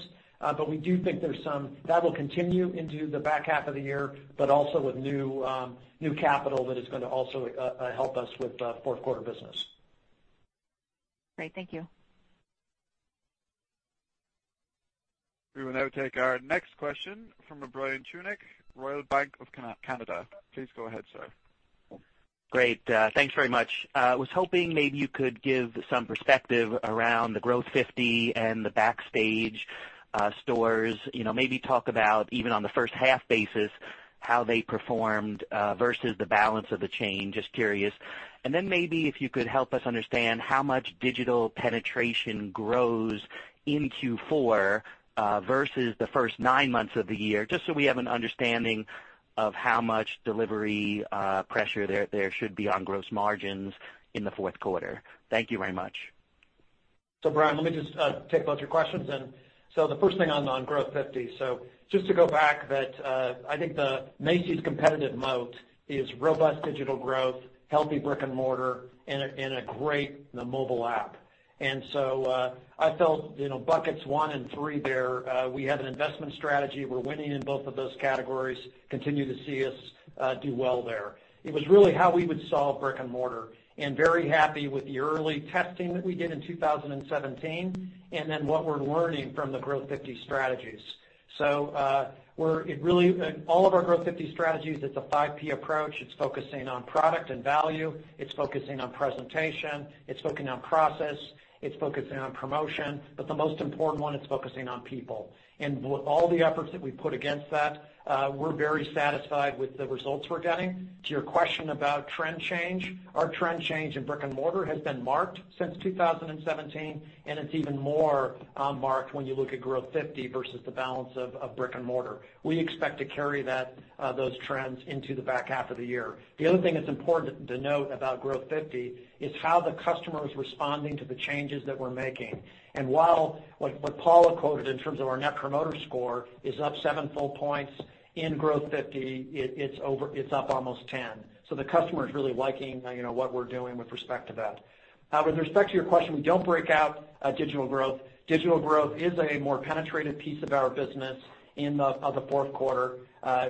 We do think that will continue into the back half of the year, but also with new capital that is going to also help us with fourth quarter business. Great. Thank you. We will now take our next question from Brian Tunick, Royal Bank of Canada. Please go ahead, sir. Great. Thanks very much. I was hoping maybe you could give some perspective around the Growth 50 and the Backstage stores. Maybe talk about, even on the first half basis, how they performed versus the balance of the chain. Just curious. Maybe if you could help us understand how much digital penetration grows in Q4 versus the first nine months of the year, just so we have an understanding of how much delivery pressure there should be on gross margins in the fourth quarter. Thank you very much. Brian, let me just take both your questions. The first thing on Growth 50. Just to go back that I think the Macy's competitive moat is robust digital growth, healthy brick and mortar, and a great mobile app. I felt buckets one and three there, we have an investment strategy. We're winning in both of those categories. Continue to see us do well there. It was really how we would solve brick and mortar, and very happy with the early testing that we did in 2017 and what we're learning from the Growth 50 strategies. All of our Growth 50 strategies, it's a 5P approach. It's focusing on product and value. It's focusing on presentation. It's focusing on process. It's focusing on promotion. The most important one, it's focusing on people. With all the efforts that we put against that, we're very satisfied with the results we're getting. To your question about trend change, our trend change in brick and mortar has been marked since 2017, and it's even more marked when you look at Growth 50 versus the balance of brick and mortar. We expect to carry those trends into the back half of the year. The other thing that's important to note about Growth 50 is how the customer is responding to the changes that we're making. While what Paula quoted in terms of our Net Promoter Score is up seven full points. In Growth 50, it's up almost 10. The customer is really liking what we're doing with respect to that. With respect to your question, we don't break out digital growth. Digital growth is a more penetrative piece of our business in the fourth quarter.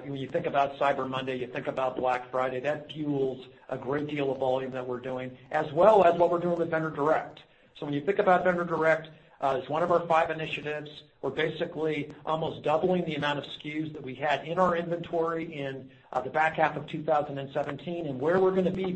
When you think about Cyber Monday, you think about Black Friday. That fuels a great deal of volume that we're doing, as well as what we're doing with vendor direct. When you think about vendor direct as one of our five initiatives, we're basically almost doubling the amount of SKUs that we had in our inventory in the back half of 2017 and where we're going to be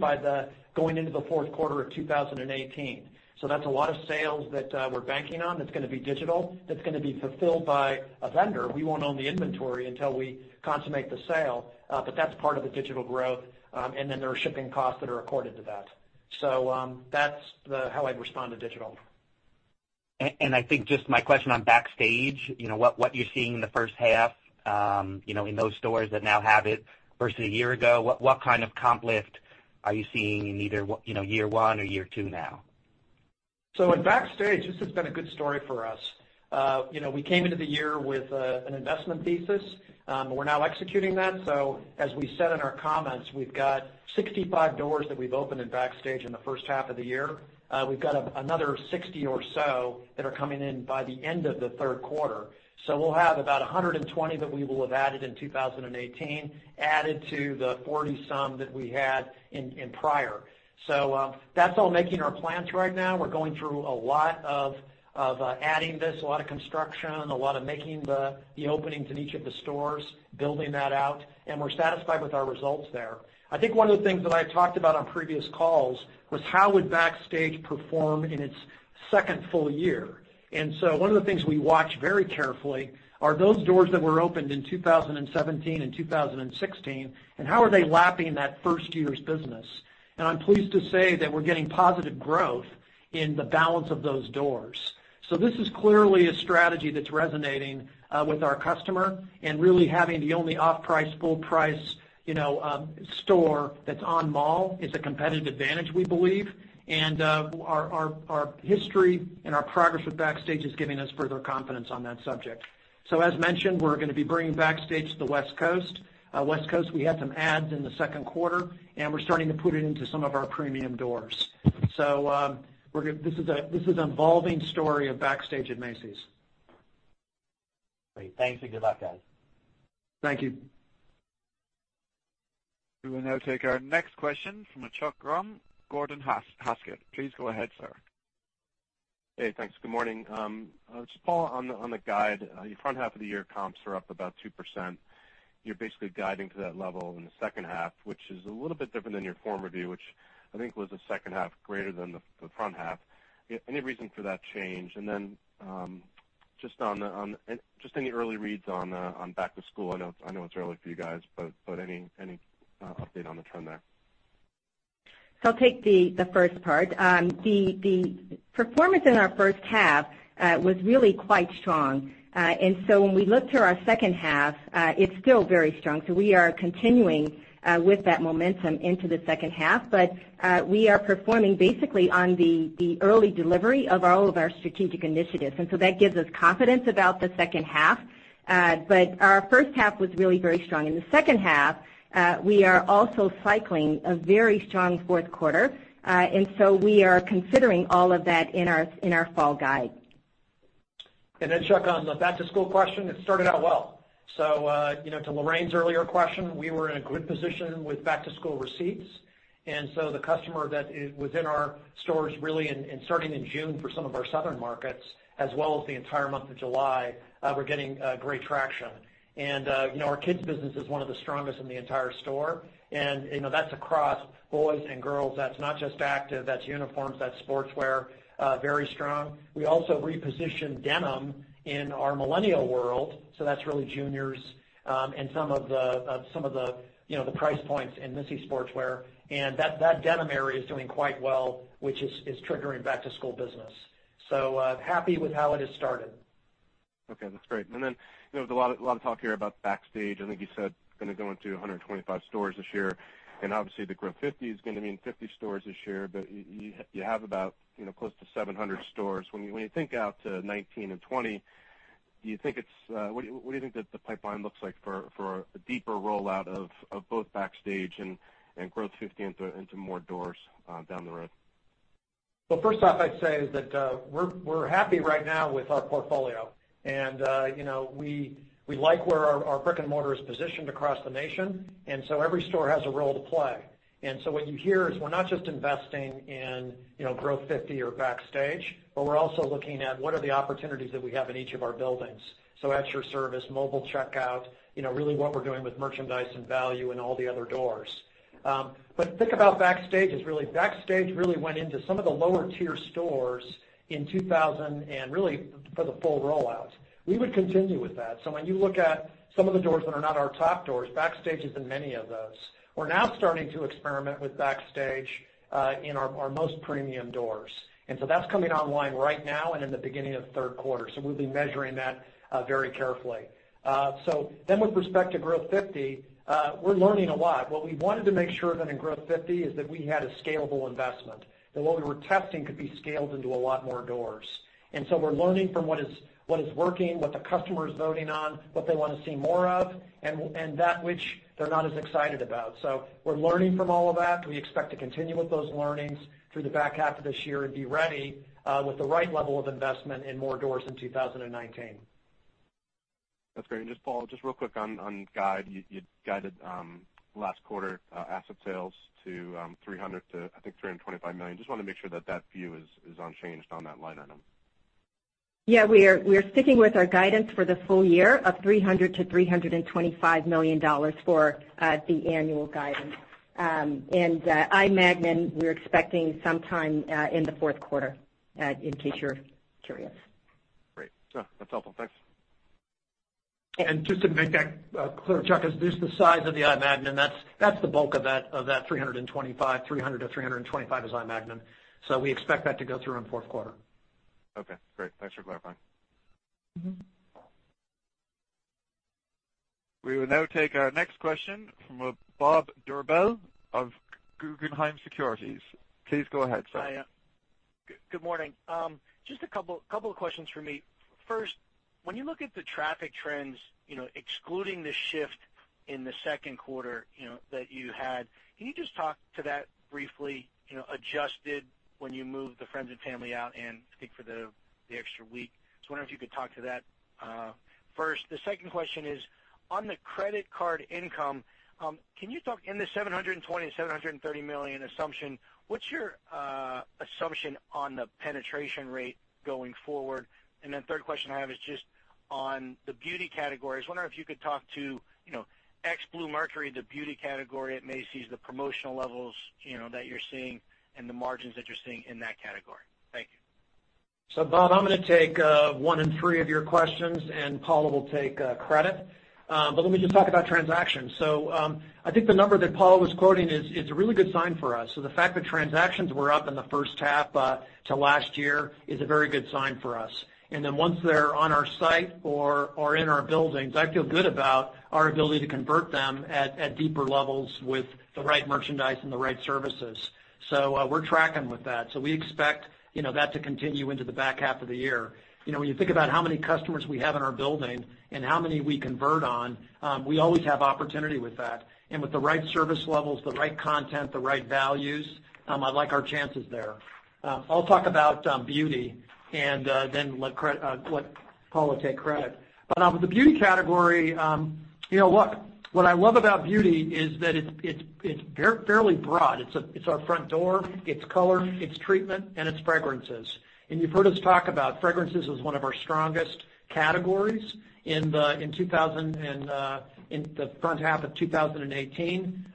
going into the fourth quarter of 2018. That's a lot of sales that we're banking on that's going to be digital, that's going to be fulfilled by a vendor. We won't own the inventory until we consummate the sale. That's part of the digital growth, and then there are shipping costs that are accorded to that. That's how I'd respond to digital. I think just my question on Backstage, what you're seeing in the first half in those stores that now have it versus a year ago. What kind of comp lift are you seeing in either year one or year two now? In Backstage, this has been a good story for us. We came into the year with an investment thesis. We're now executing that. As we said in our comments, we've got 65 doors that we've opened in Backstage in the first half of the year. We've got another 60 or so that are coming in by the end of the third quarter. We'll have about 120 that we will have added in 2018, added to the 40-some that we had in prior. That's all making our plans right now. We're going through a lot of adding this, a lot of construction, a lot of making the openings in each of the stores, building that out, and we're satisfied with our results there. I think one of the things that I had talked about on previous calls was how would Backstage perform in its second full year. One of the things we watch very carefully are those doors that were opened in 2017 and 2016, and how are they lapping that first year's business. I'm pleased to say that we're getting positive growth in the balance of those doors. This is clearly a strategy that's resonating with our customer and really having the only off-price, full-price store that's on mall is a competitive advantage, we believe. Our history and our progress with Backstage is giving us further confidence on that subject. As mentioned, we're going to be bringing Backstage to the West Coast. West Coast, we had some adds in the second quarter, and we're starting to put it into some of our premium doors. This is an evolving story of Backstage at Macy's. Great. Thanks, and good luck, guys. Thank you. We will now take our next question from Chuck Grom, Gordon Haskett. Please go ahead, sir. Hey, thanks. Good morning. Just, Paula, on the guide. Your front half of the year comps are up about 2%. You're basically guiding to that level in the second half, which is a little bit different than your former view, which I think was the second half greater than the front half. Any reason for that change? Then, just any early reads on back-to-school. I know it's early for you guys, but any update on the trend there? I'll take the first part. The performance in our first half was really quite strong. When we look to our second half, it's still very strong. We are continuing with that momentum into the second half. We are performing basically on the early delivery of all of our strategic initiatives. That gives us confidence about the second half. Our first half was really very strong. In the second half, we are also cycling a very strong fourth quarter. We are considering all of that in our fall guide. Chuck, on the back-to-school question, it started out well. To Lorraine's earlier question, we were in a good position with back-to-school receipts. The customer that was in our stores really starting in June for some of our southern markets, as well as the entire month of July, we're getting great traction. Our kids business is one of the strongest in the entire store. That's across boys and girls. That's not just active. That's uniforms. That's sportswear. Very strong. We also repositioned denim in our millennial world. That's really juniors, and some of the price points in Missy sportswear. That denim area is doing quite well, which is triggering back-to-school business. Happy with how it has started. Okay, that's great. There was a lot of talk here about Backstage. I think you said it's going to go into 125 stores this year. Obviously the Growth50 is going to mean 50 stores this year. You have about close to 700 stores. When you think out to 2019 and 2020, what do you think the pipeline looks like for a deeper rollout of both Backstage and Growth50 into more doors down the road? First off, I'd say is that we're happy right now with our portfolio. We like where our brick and mortar is positioned across the nation. Every store has a role to play. What you hear is we're not just investing in Growth50 or Backstage, but we're also looking at what are the opportunities that we have in each of our buildings. At Your Service, mobile checkout, really what we're doing with merchandise and value and all the other doors. Think about Backstage really went into some of the lower tier stores in 2000 and really for the full rollout. We would continue with that. When you look at some of the doors that are not our top doors, Backstage is in many of those. We're now starting to experiment with Backstage in our most premium doors. That's coming online right now and in the beginning of the third quarter. We'll be measuring that very carefully. With respect to Growth50, we're learning a lot. What we wanted to make sure of in Growth50 is that we had a scalable investment, that what we were testing could be scaled into a lot more doors. We're learning from what is working, what the customer is voting on, what they want to see more of, and that which they're not as excited about. We're learning from all of that. We expect to continue with those learnings through the back half of this year and be ready with the right level of investment in more doors in 2019. That's great. Just, Paul, just real quick on guide. You guided last quarter asset sales to $300 million to, I think, $325 million. Just want to make sure that that view is unchanged on that line item. Yeah, we are sticking with our guidance for the full year of $300 million-$325 million for the annual guidance. I. Magnin, we're expecting sometime in the fourth quarter, in case you're curious. Great. That's helpful. Thanks. Just to make that clear, Chuck, is just the size of the I. Magnin, that's the bulk of that $300 million-$325 million is I. Magnin. We expect that to go through in fourth quarter. Okay, great. Thanks for clarifying. We will now take our next question from Bob Drbul of Guggenheim Securities. Please go ahead, sir. Hi. Good morning. Just a couple of questions from me. First, when you look at the traffic trends, excluding the shift in the second quarter that you had, can you just talk to that briefly, adjusted when you moved the Friends and Family out and I think for the extra week. I wonder if you could talk to that first. The second question is, on the credit card income, in the $720 million to $730 million assumption, what's your assumption on the penetration rate going forward? Then third question I have is just on the beauty category. I was wondering if you could talk to ex Bluemercury, the beauty category at Macy's, the promotional levels that you're seeing and the margins that you're seeing in that category. Thank you. Bob, I'm going to take one and three of your questions, and Paula Price will take credit. Let me just talk about transactions. I think the number that Paula Price was quoting is a really good sign for us. The fact that transactions were up in the first half to last year is a very good sign for us. Once they're on our site or in our buildings, I feel good about our ability to convert them at deeper levels with the right merchandise and the right services. We're tracking with that. We expect that to continue into the back half of the year. When you think about how many customers we have in our building and how many we convert on, we always have opportunity with that. With the right service levels, the right content, the right values, I like our chances there. I'll talk about beauty then let Paula take credit. With the beauty category, what I love about beauty is that it's fairly broad. It's our front door, it's color, it's treatment, and it's fragrances. You've heard us talk about fragrances as one of our strongest categories in the front half of 2018.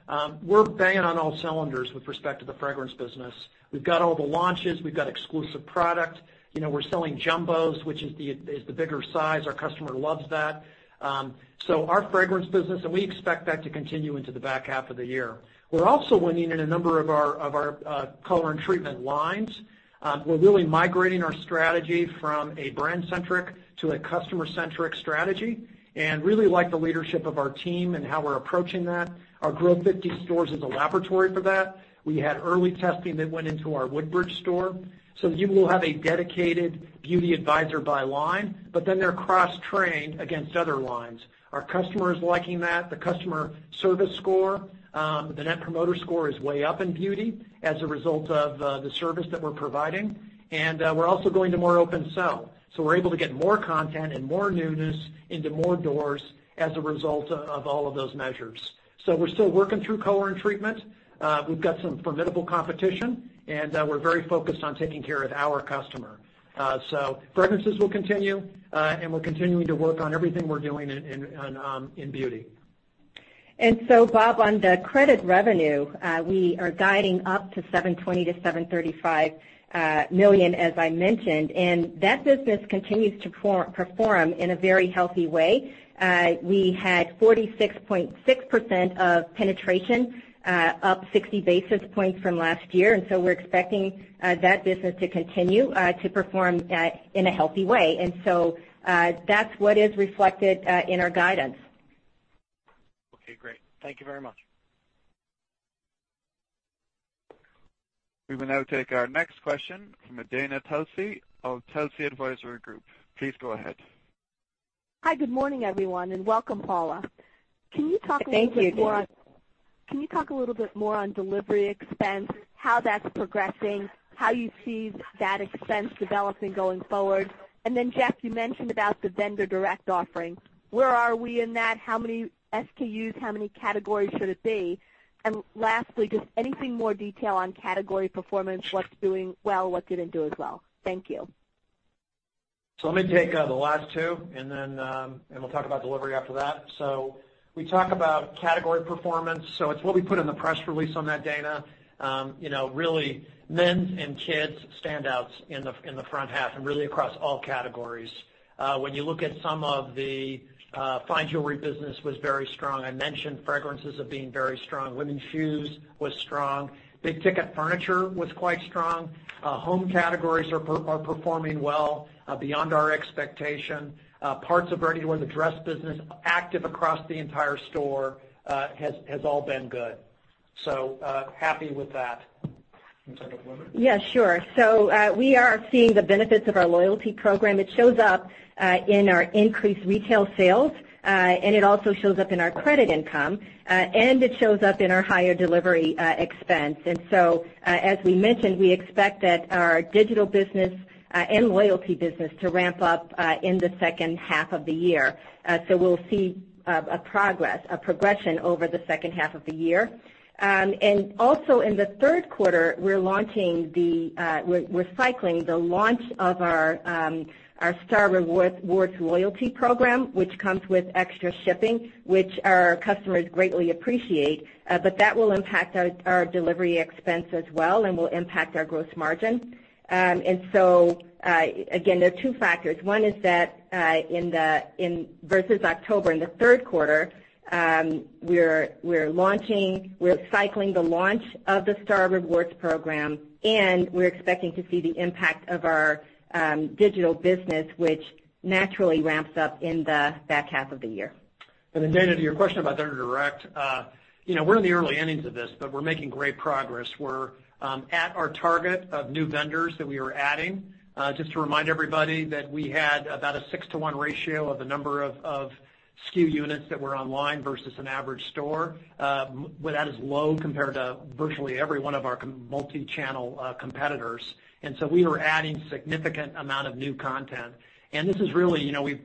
We're banging on all cylinders with respect to the fragrance business. We've got all the launches, we've got exclusive product. We're selling jumbos, which is the bigger size. Our customer loves that. Our fragrance business, we expect that to continue into the back half of the year. We're also winning in a number of our color and treatment lines. We're really migrating our strategy from a brand-centric to a customer-centric strategy, really like the leadership of our team and how we're approaching that. Our Growth50 stores is a laboratory for that. We had early testing that went into our Woodbridge store. You will have a dedicated beauty advisor by line, but then they're cross-trained against other lines. Our customer is liking that. The customer service score, the Net Promoter Score is way up in beauty as a result of the service that we're providing. We're also going to more open sell. We're able to get more content and more newness into more doors as a result of all of those measures. We're still working through color and treatment. We've got some formidable competition, and we're very focused on taking care of our customer. Fragrances will continue. We're continuing to work on everything we're doing in beauty. Bob, on the credit revenue, we are guiding up to $720 million-$735 million, as I mentioned. That business continues to perform in a very healthy way. We had 46.6% of penetration, up 60 basis points from last year. We're expecting that business to continue to perform in a healthy way. That's what is reflected in our guidance. Okay, great. Thank you very much. We will now take our next question from Dana Telsey of Telsey Advisory Group. Please go ahead. Hi. Good morning, everyone, and welcome, Paula. Thank you, Dana. Can you talk a little bit more on delivery expense, how that's progressing, how you see that expense developing going forward? Jeff, you mentioned about the vendor direct offering. Where are we in that? How many SKUs, how many categories should it be? Lastly, just anything more detail on category performance, what's doing well, what didn't do as well. Thank you. Let me take the last two and we'll talk about delivery after that. We talk about category performance. It's what we put in the press release on that, Dana. Really Men's and Kids stand out in the front half and really across all categories. When you look at some of the fine jewelry business was very strong. I mentioned fragrances of being very strong. Women's shoes was strong. Big ticket furniture was quite strong. Home categories are performing well beyond our expectation. Parts of ready to wear the dress business, active across the entire store has all been good. Happy with that. You want to talk about delivery? Yeah, sure. We are seeing the benefits of our loyalty program. It shows up in our increased retail sales, it also shows up in our credit income, it shows up in our higher delivery expense. As we mentioned, we expect that our digital business and loyalty business to ramp up in the second half of the year. We'll see a progression over the second half of the year. Also in the third quarter, we're cycling the launch of our Star Rewards loyalty program, which comes with extra shipping, which our customers greatly appreciate. That will impact our delivery expense as well and will impact our gross margin. Again, there are two factors. One is that versus October, in the third quarter, we're cycling the launch of the Star Rewards program, we're expecting to see the impact of our digital business, which naturally ramps up in the back half of the year. Dana, to your question about Vendor Direct. We're in the early innings of this, but we're making great progress. We're at our target of new vendors that we are adding. Just to remind everybody that we had about a six to one ratio of the number of SKU units that were online versus an average store. Well, that is low compared to virtually every one of our multi-channel competitors. We are adding significant amount of new content. We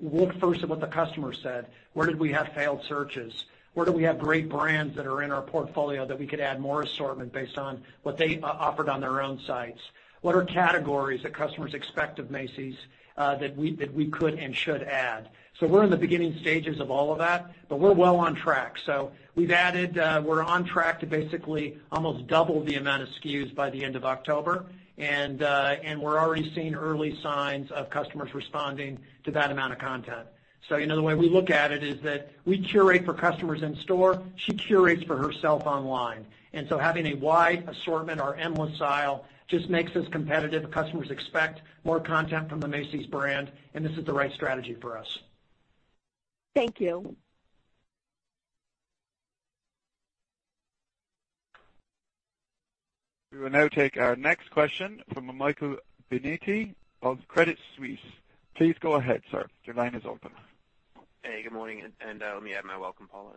looked first at what the customer said. Where did we have failed searches? Where do we have great brands that are in our portfolio that we could add more assortment based on what they offered on their own sites? What are categories that customers expect of Macy's that we could and should add? We're in the beginning stages of all of that, but we're well on track. We're on track to basically almost double the amount of SKUs by the end of October. We're already seeing early signs of customers responding to that amount of content. The way we look at it is that we curate for customers in store. She curates for herself online. Having a wide assortment or endless aisle just makes us competitive. Customers expect more content from the Macy's brand, and this is the right strategy for us. Thank you. We will now take our next question from Michael Binetti of Credit Suisse. Please go ahead, sir. Your line is open. Good morning, let me add my welcome, Paula.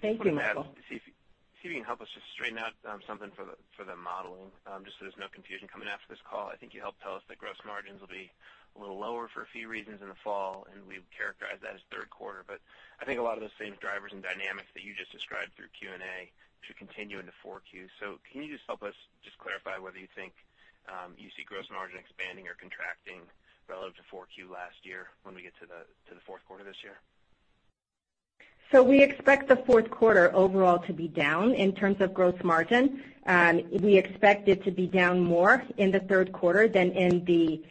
Thank you, Michael. I just want to add to see if you can help us just straighten out something for the modeling, just so there's no confusion coming after this call. I think you helped tell us that gross margins will be a little lower for a few reasons in the fall, and we've characterized that as third quarter. I think a lot of those same drivers and dynamics that you just described through Q&A should continue into Q4. Can you just help us just clarify whether you think you see gross margin expanding or contracting relative to Q4 last year when we get to the fourth quarter this year? We expect the fourth quarter overall to be down in terms of gross margin. We expect it to be down more in the third quarter than in the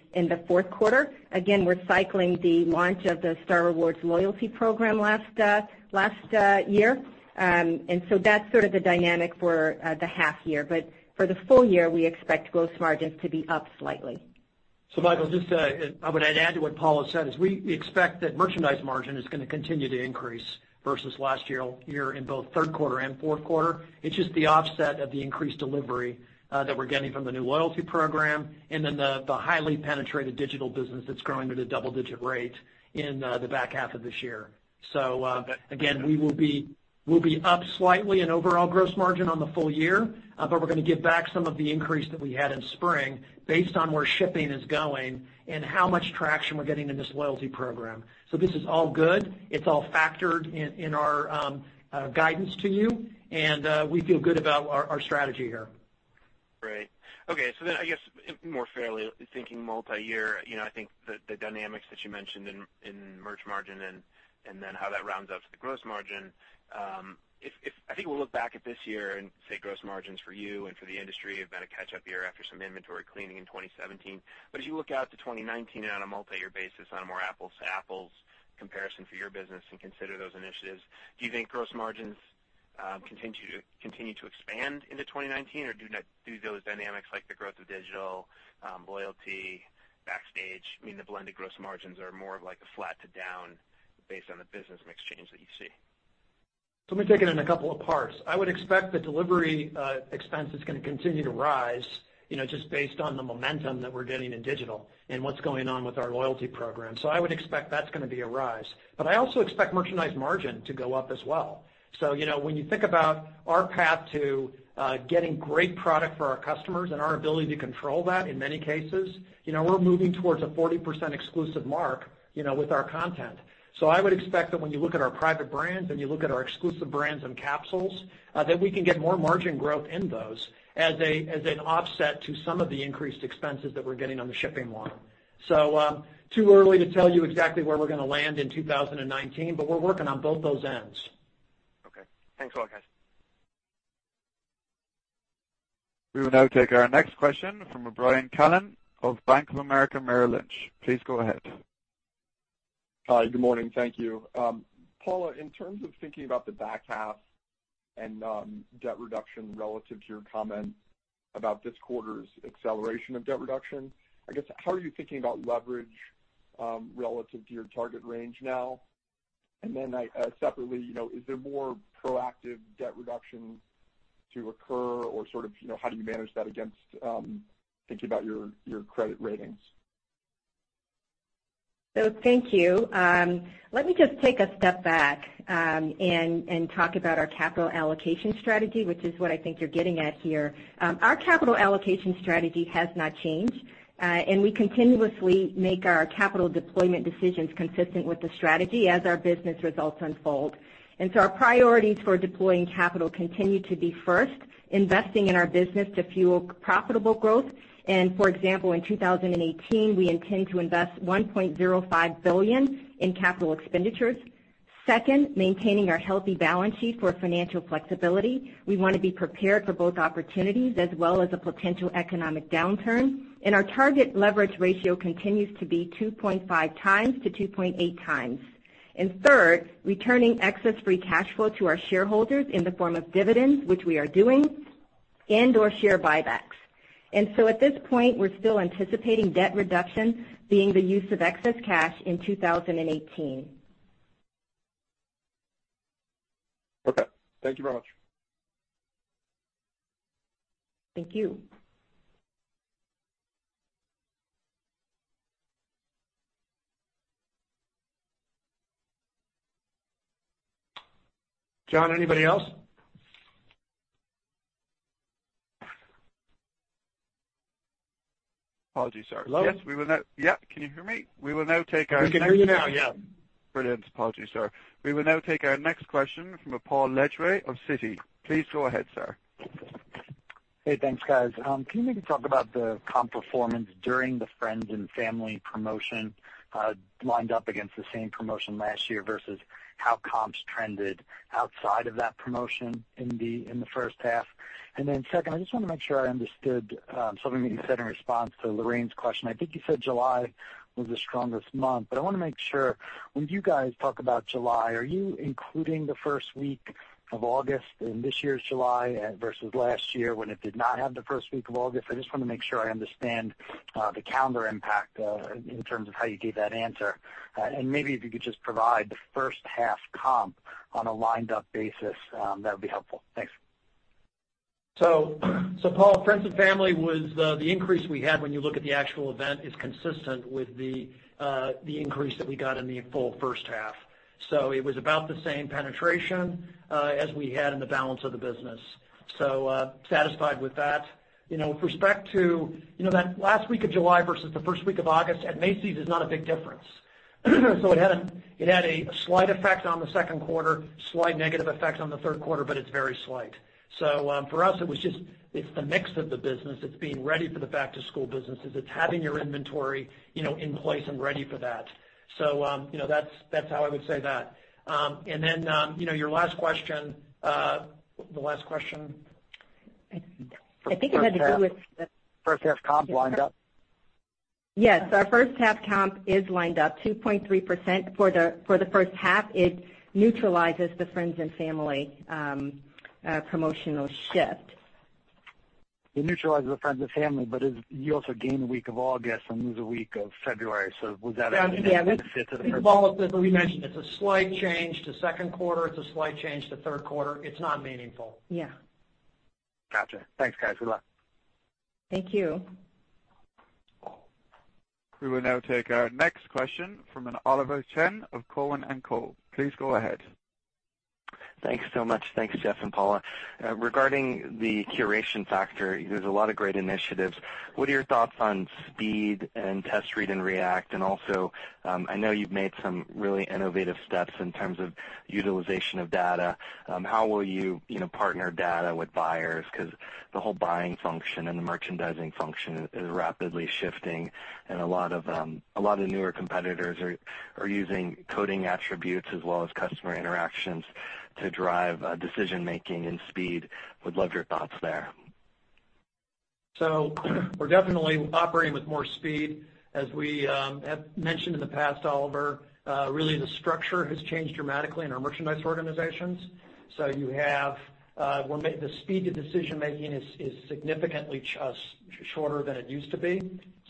fourth quarter. Again, we're cycling the launch of the Star Rewards loyalty program last year. That's sort of the dynamic for the half year. For the full year, we expect gross margins to be up slightly. Michael, just I would add to what Paula said, is we expect that merchandise margin is going to continue to increase versus last year in both third quarter and fourth quarter. It's just the offset of the increased delivery that we're getting from the new loyalty program and then the highly penetrated digital business that's growing at a double-digit rate in the back half of this year. Got it. again, we'll be up slightly in overall gross margin on the full year. We're going to give back some of the increase that we had in spring based on where shipping is going and how much traction we're getting in this loyalty program. This is all good. It's all factored in our guidance to you, and we feel good about our strategy here. Great. Okay. I guess more fairly thinking multi-year, I think the dynamics that you mentioned in merch margin and then how that rounds up to the gross margin. I think we'll look back at this year and say gross margins for you and for the industry have been a catch-up year after some inventory cleaning in 2017. As you look out to 2019 and on a multi-year basis, on a more apples-to-apples comparison for your business and consider those initiatives, do you think gross margins continue to expand into 2019? Or do those dynamics like the growth of digital, loyalty, Backstage, mean the blended gross margins are more of like a flat to down based on the business mix change that you see? Let me take it in a couple of parts. I would expect the delivery expense is going to continue to rise, just based on the momentum that we're getting in digital and what's going on with our loyalty program. I would expect that's going to be a rise. I also expect merchandise margin to go up as well. When you think about our path to getting great product for our customers and our ability to control that, in many cases, we're moving towards a 40% exclusive mark with our content. I would expect that when you look at our private brands and you look at our exclusive brands and capsules, that we can get more margin growth in those as an offset to some of the increased expenses that we're getting on the shipping line. Too early to tell you exactly where we're going to land in 2019, we're working on both those ends. Okay. Thanks a lot, guys. We will now take our next question from Brian Callen of Bank of America Merrill Lynch. Please go ahead. Hi. Good morning. Thank you. Paula, in terms of thinking about the back half and debt reduction relative to your comments about this quarter's acceleration of debt reduction, I guess how are you thinking about leverage relative to your target range now? Separately, is there more proactive debt reduction to occur or how do you manage that against thinking about your credit ratings? Thank you. Let me just take a step back and talk about our capital allocation strategy, which is what I think you're getting at here. Our capital allocation strategy has not changed. We continuously make our capital deployment decisions consistent with the strategy as our business results unfold. Our priorities for deploying capital continue to be, first, investing in our business to fuel profitable growth. For example, in 2018, we intend to invest $1.05 billion in capital expenditures. Second, maintaining our healthy balance sheet for financial flexibility. We want to be prepared for both opportunities as well as a potential economic downturn. Our target leverage ratio continues to be 2.5 times to 2.8 times. Third, returning excess free cash flow to our shareholders in the form of dividends, which we are doing. Or share buybacks. At this point, we're still anticipating debt reduction being the use of excess cash in 2018. Okay. Thank you very much. Thank you. John, anybody else? Apologies, sir. Hello? Yes, can you hear me? We will now take our next. We can hear you now, yeah. Brilliant. Apologies, sir. We will now take our next question from Paul Lejuez of Citi. Please go ahead, sir. Hey, thanks, guys. Can you maybe talk about the comp performance during the friends and family promotion, lined up against the same promotion last year versus how comps trended outside of that promotion in the first half? Second, I just want to make sure I understood something that you said in response to Lorraine's question. I think you said July was the strongest month, but I want to make sure when you guys talk about July, are you including the first week of August in this year's July versus last year when it did not have the first week of August? I just want to make sure I understand the calendar impact, in terms of how you gave that answer. Maybe if you could just provide the first half comp on a lined-up basis, that would be helpful. Thanks. Paul, friends and family was the increase we had when you look at the actual event is consistent with the increase that we got in the full first half. It was about the same penetration as we had in the balance of the business. Satisfied with that. With respect to that last week of July versus the first week of August at Macy's is not a big difference. It had a slight effect on the second quarter, slight negative effect on the third quarter, but it's very slight. For us, it's the mix of the business. It's being ready for the back-to-school business. It's having your inventory in place and ready for that. That's how I would say that. Your last question. The last question? I think it had to do with the- First half comp lined up. Yes. Our first half comp is lined up 2.3% for the first half. It neutralizes the friends and family promotional shift. It neutralizes the friends and family, but you also gain the week of August and lose a week of February. Was that- Yeah. A benefit to the first? We mentioned it's a slight change to second quarter. It's a slight change to third quarter. It's not meaningful. Yeah. Gotcha. Thanks, guys. Good luck. Thank you. We will now take our next question from Oliver Chen of Cowen and Co. Please go ahead. Thanks so much. Thanks, Jeff and Paula. Regarding the curation factor, there's a lot of great initiatives. What are your thoughts on speed and test, read, and react? Also, I know you've made some really innovative steps in terms of utilization of data. How will you partner data with buyers? The whole buying function and the merchandising function is rapidly shifting and a lot of the newer competitors are using coding attributes as well as customer interactions to drive decision-making and speed. Would love your thoughts there. We're definitely operating with more speed. As we have mentioned in the past, Oliver, really the structure has changed dramatically in our merchandise organizations. The speed to decision-making is significantly just shorter than it used to be.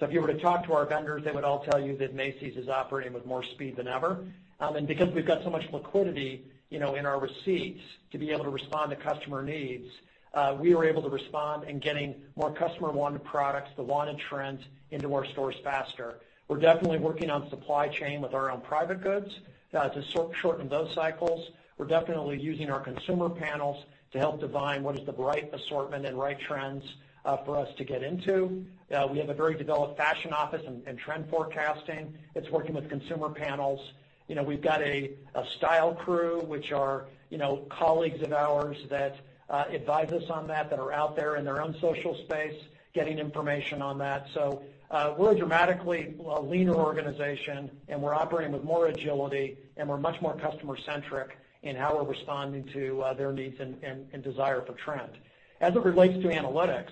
If you were to talk to our vendors, they would all tell you that Macy's is operating with more speed than ever. Because we've got so much liquidity in our receipts to be able to respond to customer needs, we are able to respond in getting more customer-wanted products, the wanted trends into our stores faster. We're definitely working on supply chain with our own private goods, to shorten those cycles. We're definitely using our consumer panels to help divine what is the right assortment and right trends for us to get into. We have a very developed fashion office and trend forecasting. It's working with consumer panels. We've got a Style Crew, which are colleagues of ours that advise us on that are out there in their own social space, getting information on that. We're a dramatically leaner organization, and we're operating with more agility, and we're much more customer-centric in how we're responding to their needs and desire for trend. As it relates to analytics,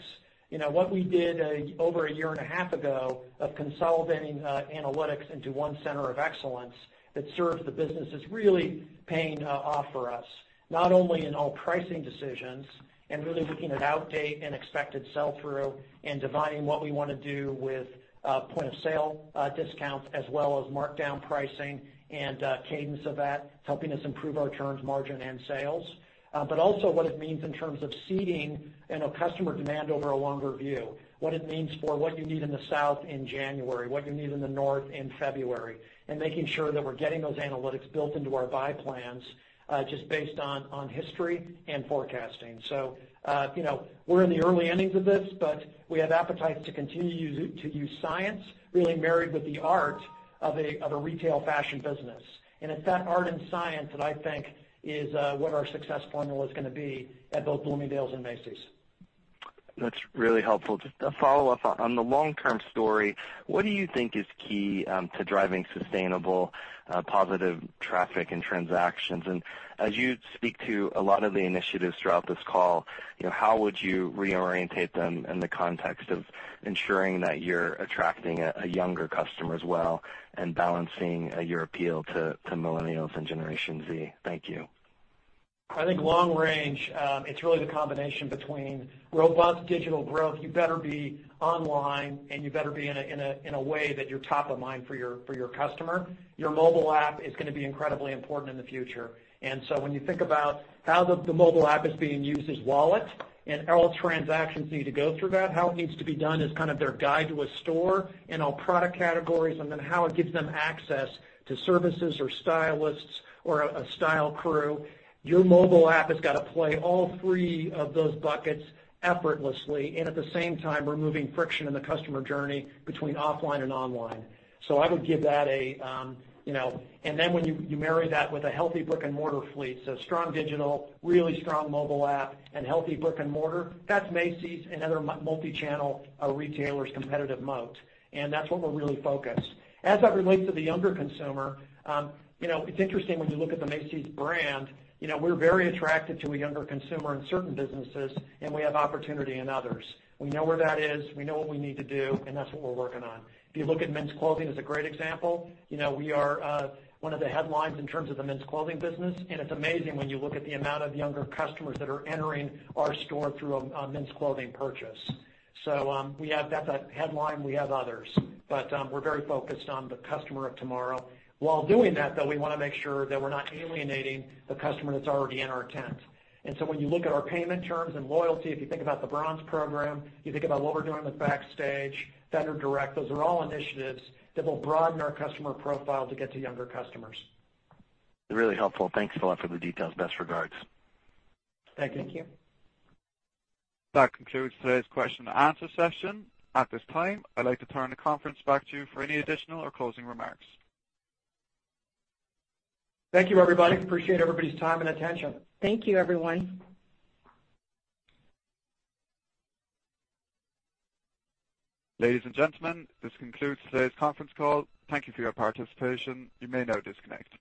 what we did over a year and a half ago of consolidating analytics into one center of excellence that serves the business is really paying off for us, not only in all pricing decisions and really looking at outdate and expected sell-through and divining what we want to do with point-of-sale discounts, as well as markdown pricing and cadence of that, helping us improve our terms, margin, and sales. Also what it means in terms of seeding customer demand over a longer view. What it means for what you need in the South in January, what you need in the North in February, and making sure that we're getting those analytics built into our buy plans, just based on history and forecasting. We're in the early innings of this, but we have appetite to continue to use science, really married with the art of a retail fashion business. It's that art and science that I think is what our success formula is going to be at both Bloomingdale's and Macy's. That's really helpful. Just a follow-up. On the long-term story, what do you think is key to driving sustainable positive traffic and transactions? As you speak to a lot of the initiatives throughout this call, how would you reorientate them in the context of ensuring that you're attracting a younger customer as well and balancing your appeal to millennials and Generation Z? Thank you. I think long range, it's really the combination between robust digital growth. You better be online, and you better be in a way that you're top of mind for your customer. Your mobile app is going to be incredibly important in the future. When you think about how the mobile app is being used as wallet and all transactions need to go through that, how it needs to be done as kind of their guide to a store and all product categories, how it gives them access to services or stylists or a Style Crew. Your mobile app has got to play all three of those buckets effortlessly and at the same time removing friction in the customer journey between offline and online. When you marry that with a healthy brick-and-mortar fleet, strong digital, really strong mobile app, and healthy brick-and-mortar, that's Macy's and other multi-channel retailers' competitive moat. That's what we're really focused. As that relates to the younger consumer, it's interesting when you look at the Macy's brand, we're very attracted to a younger consumer in certain businesses, and we have opportunity in others. We know where that is. We know what we need to do, and that's what we're working on. If you look at men's clothing as a great example. We are one of the headlines in terms of the men's clothing business, and it's amazing when you look at the amount of younger customers that are entering our store through a men's clothing purchase. We have that headline. We have others. We're very focused on the customer of tomorrow. While doing that, though, we want to make sure that we're not alienating the customer that's already in our tent. When you look at our payment terms and loyalty, if you think about the Bronze Program, you think about what we're doing with Backstage, vendor direct, those are all initiatives that will broaden our customer profile to get to younger customers. Really helpful. Thanks a lot for the details. Best regards. Thank you. Thank you. That concludes today's question and answer session. At this time, I'd like to turn the conference back to you for any additional or closing remarks. Thank you, everybody. Appreciate everybody's time and attention. Thank you, everyone. Ladies and gentlemen, this concludes today's conference call. Thank you for your participation. You may now disconnect.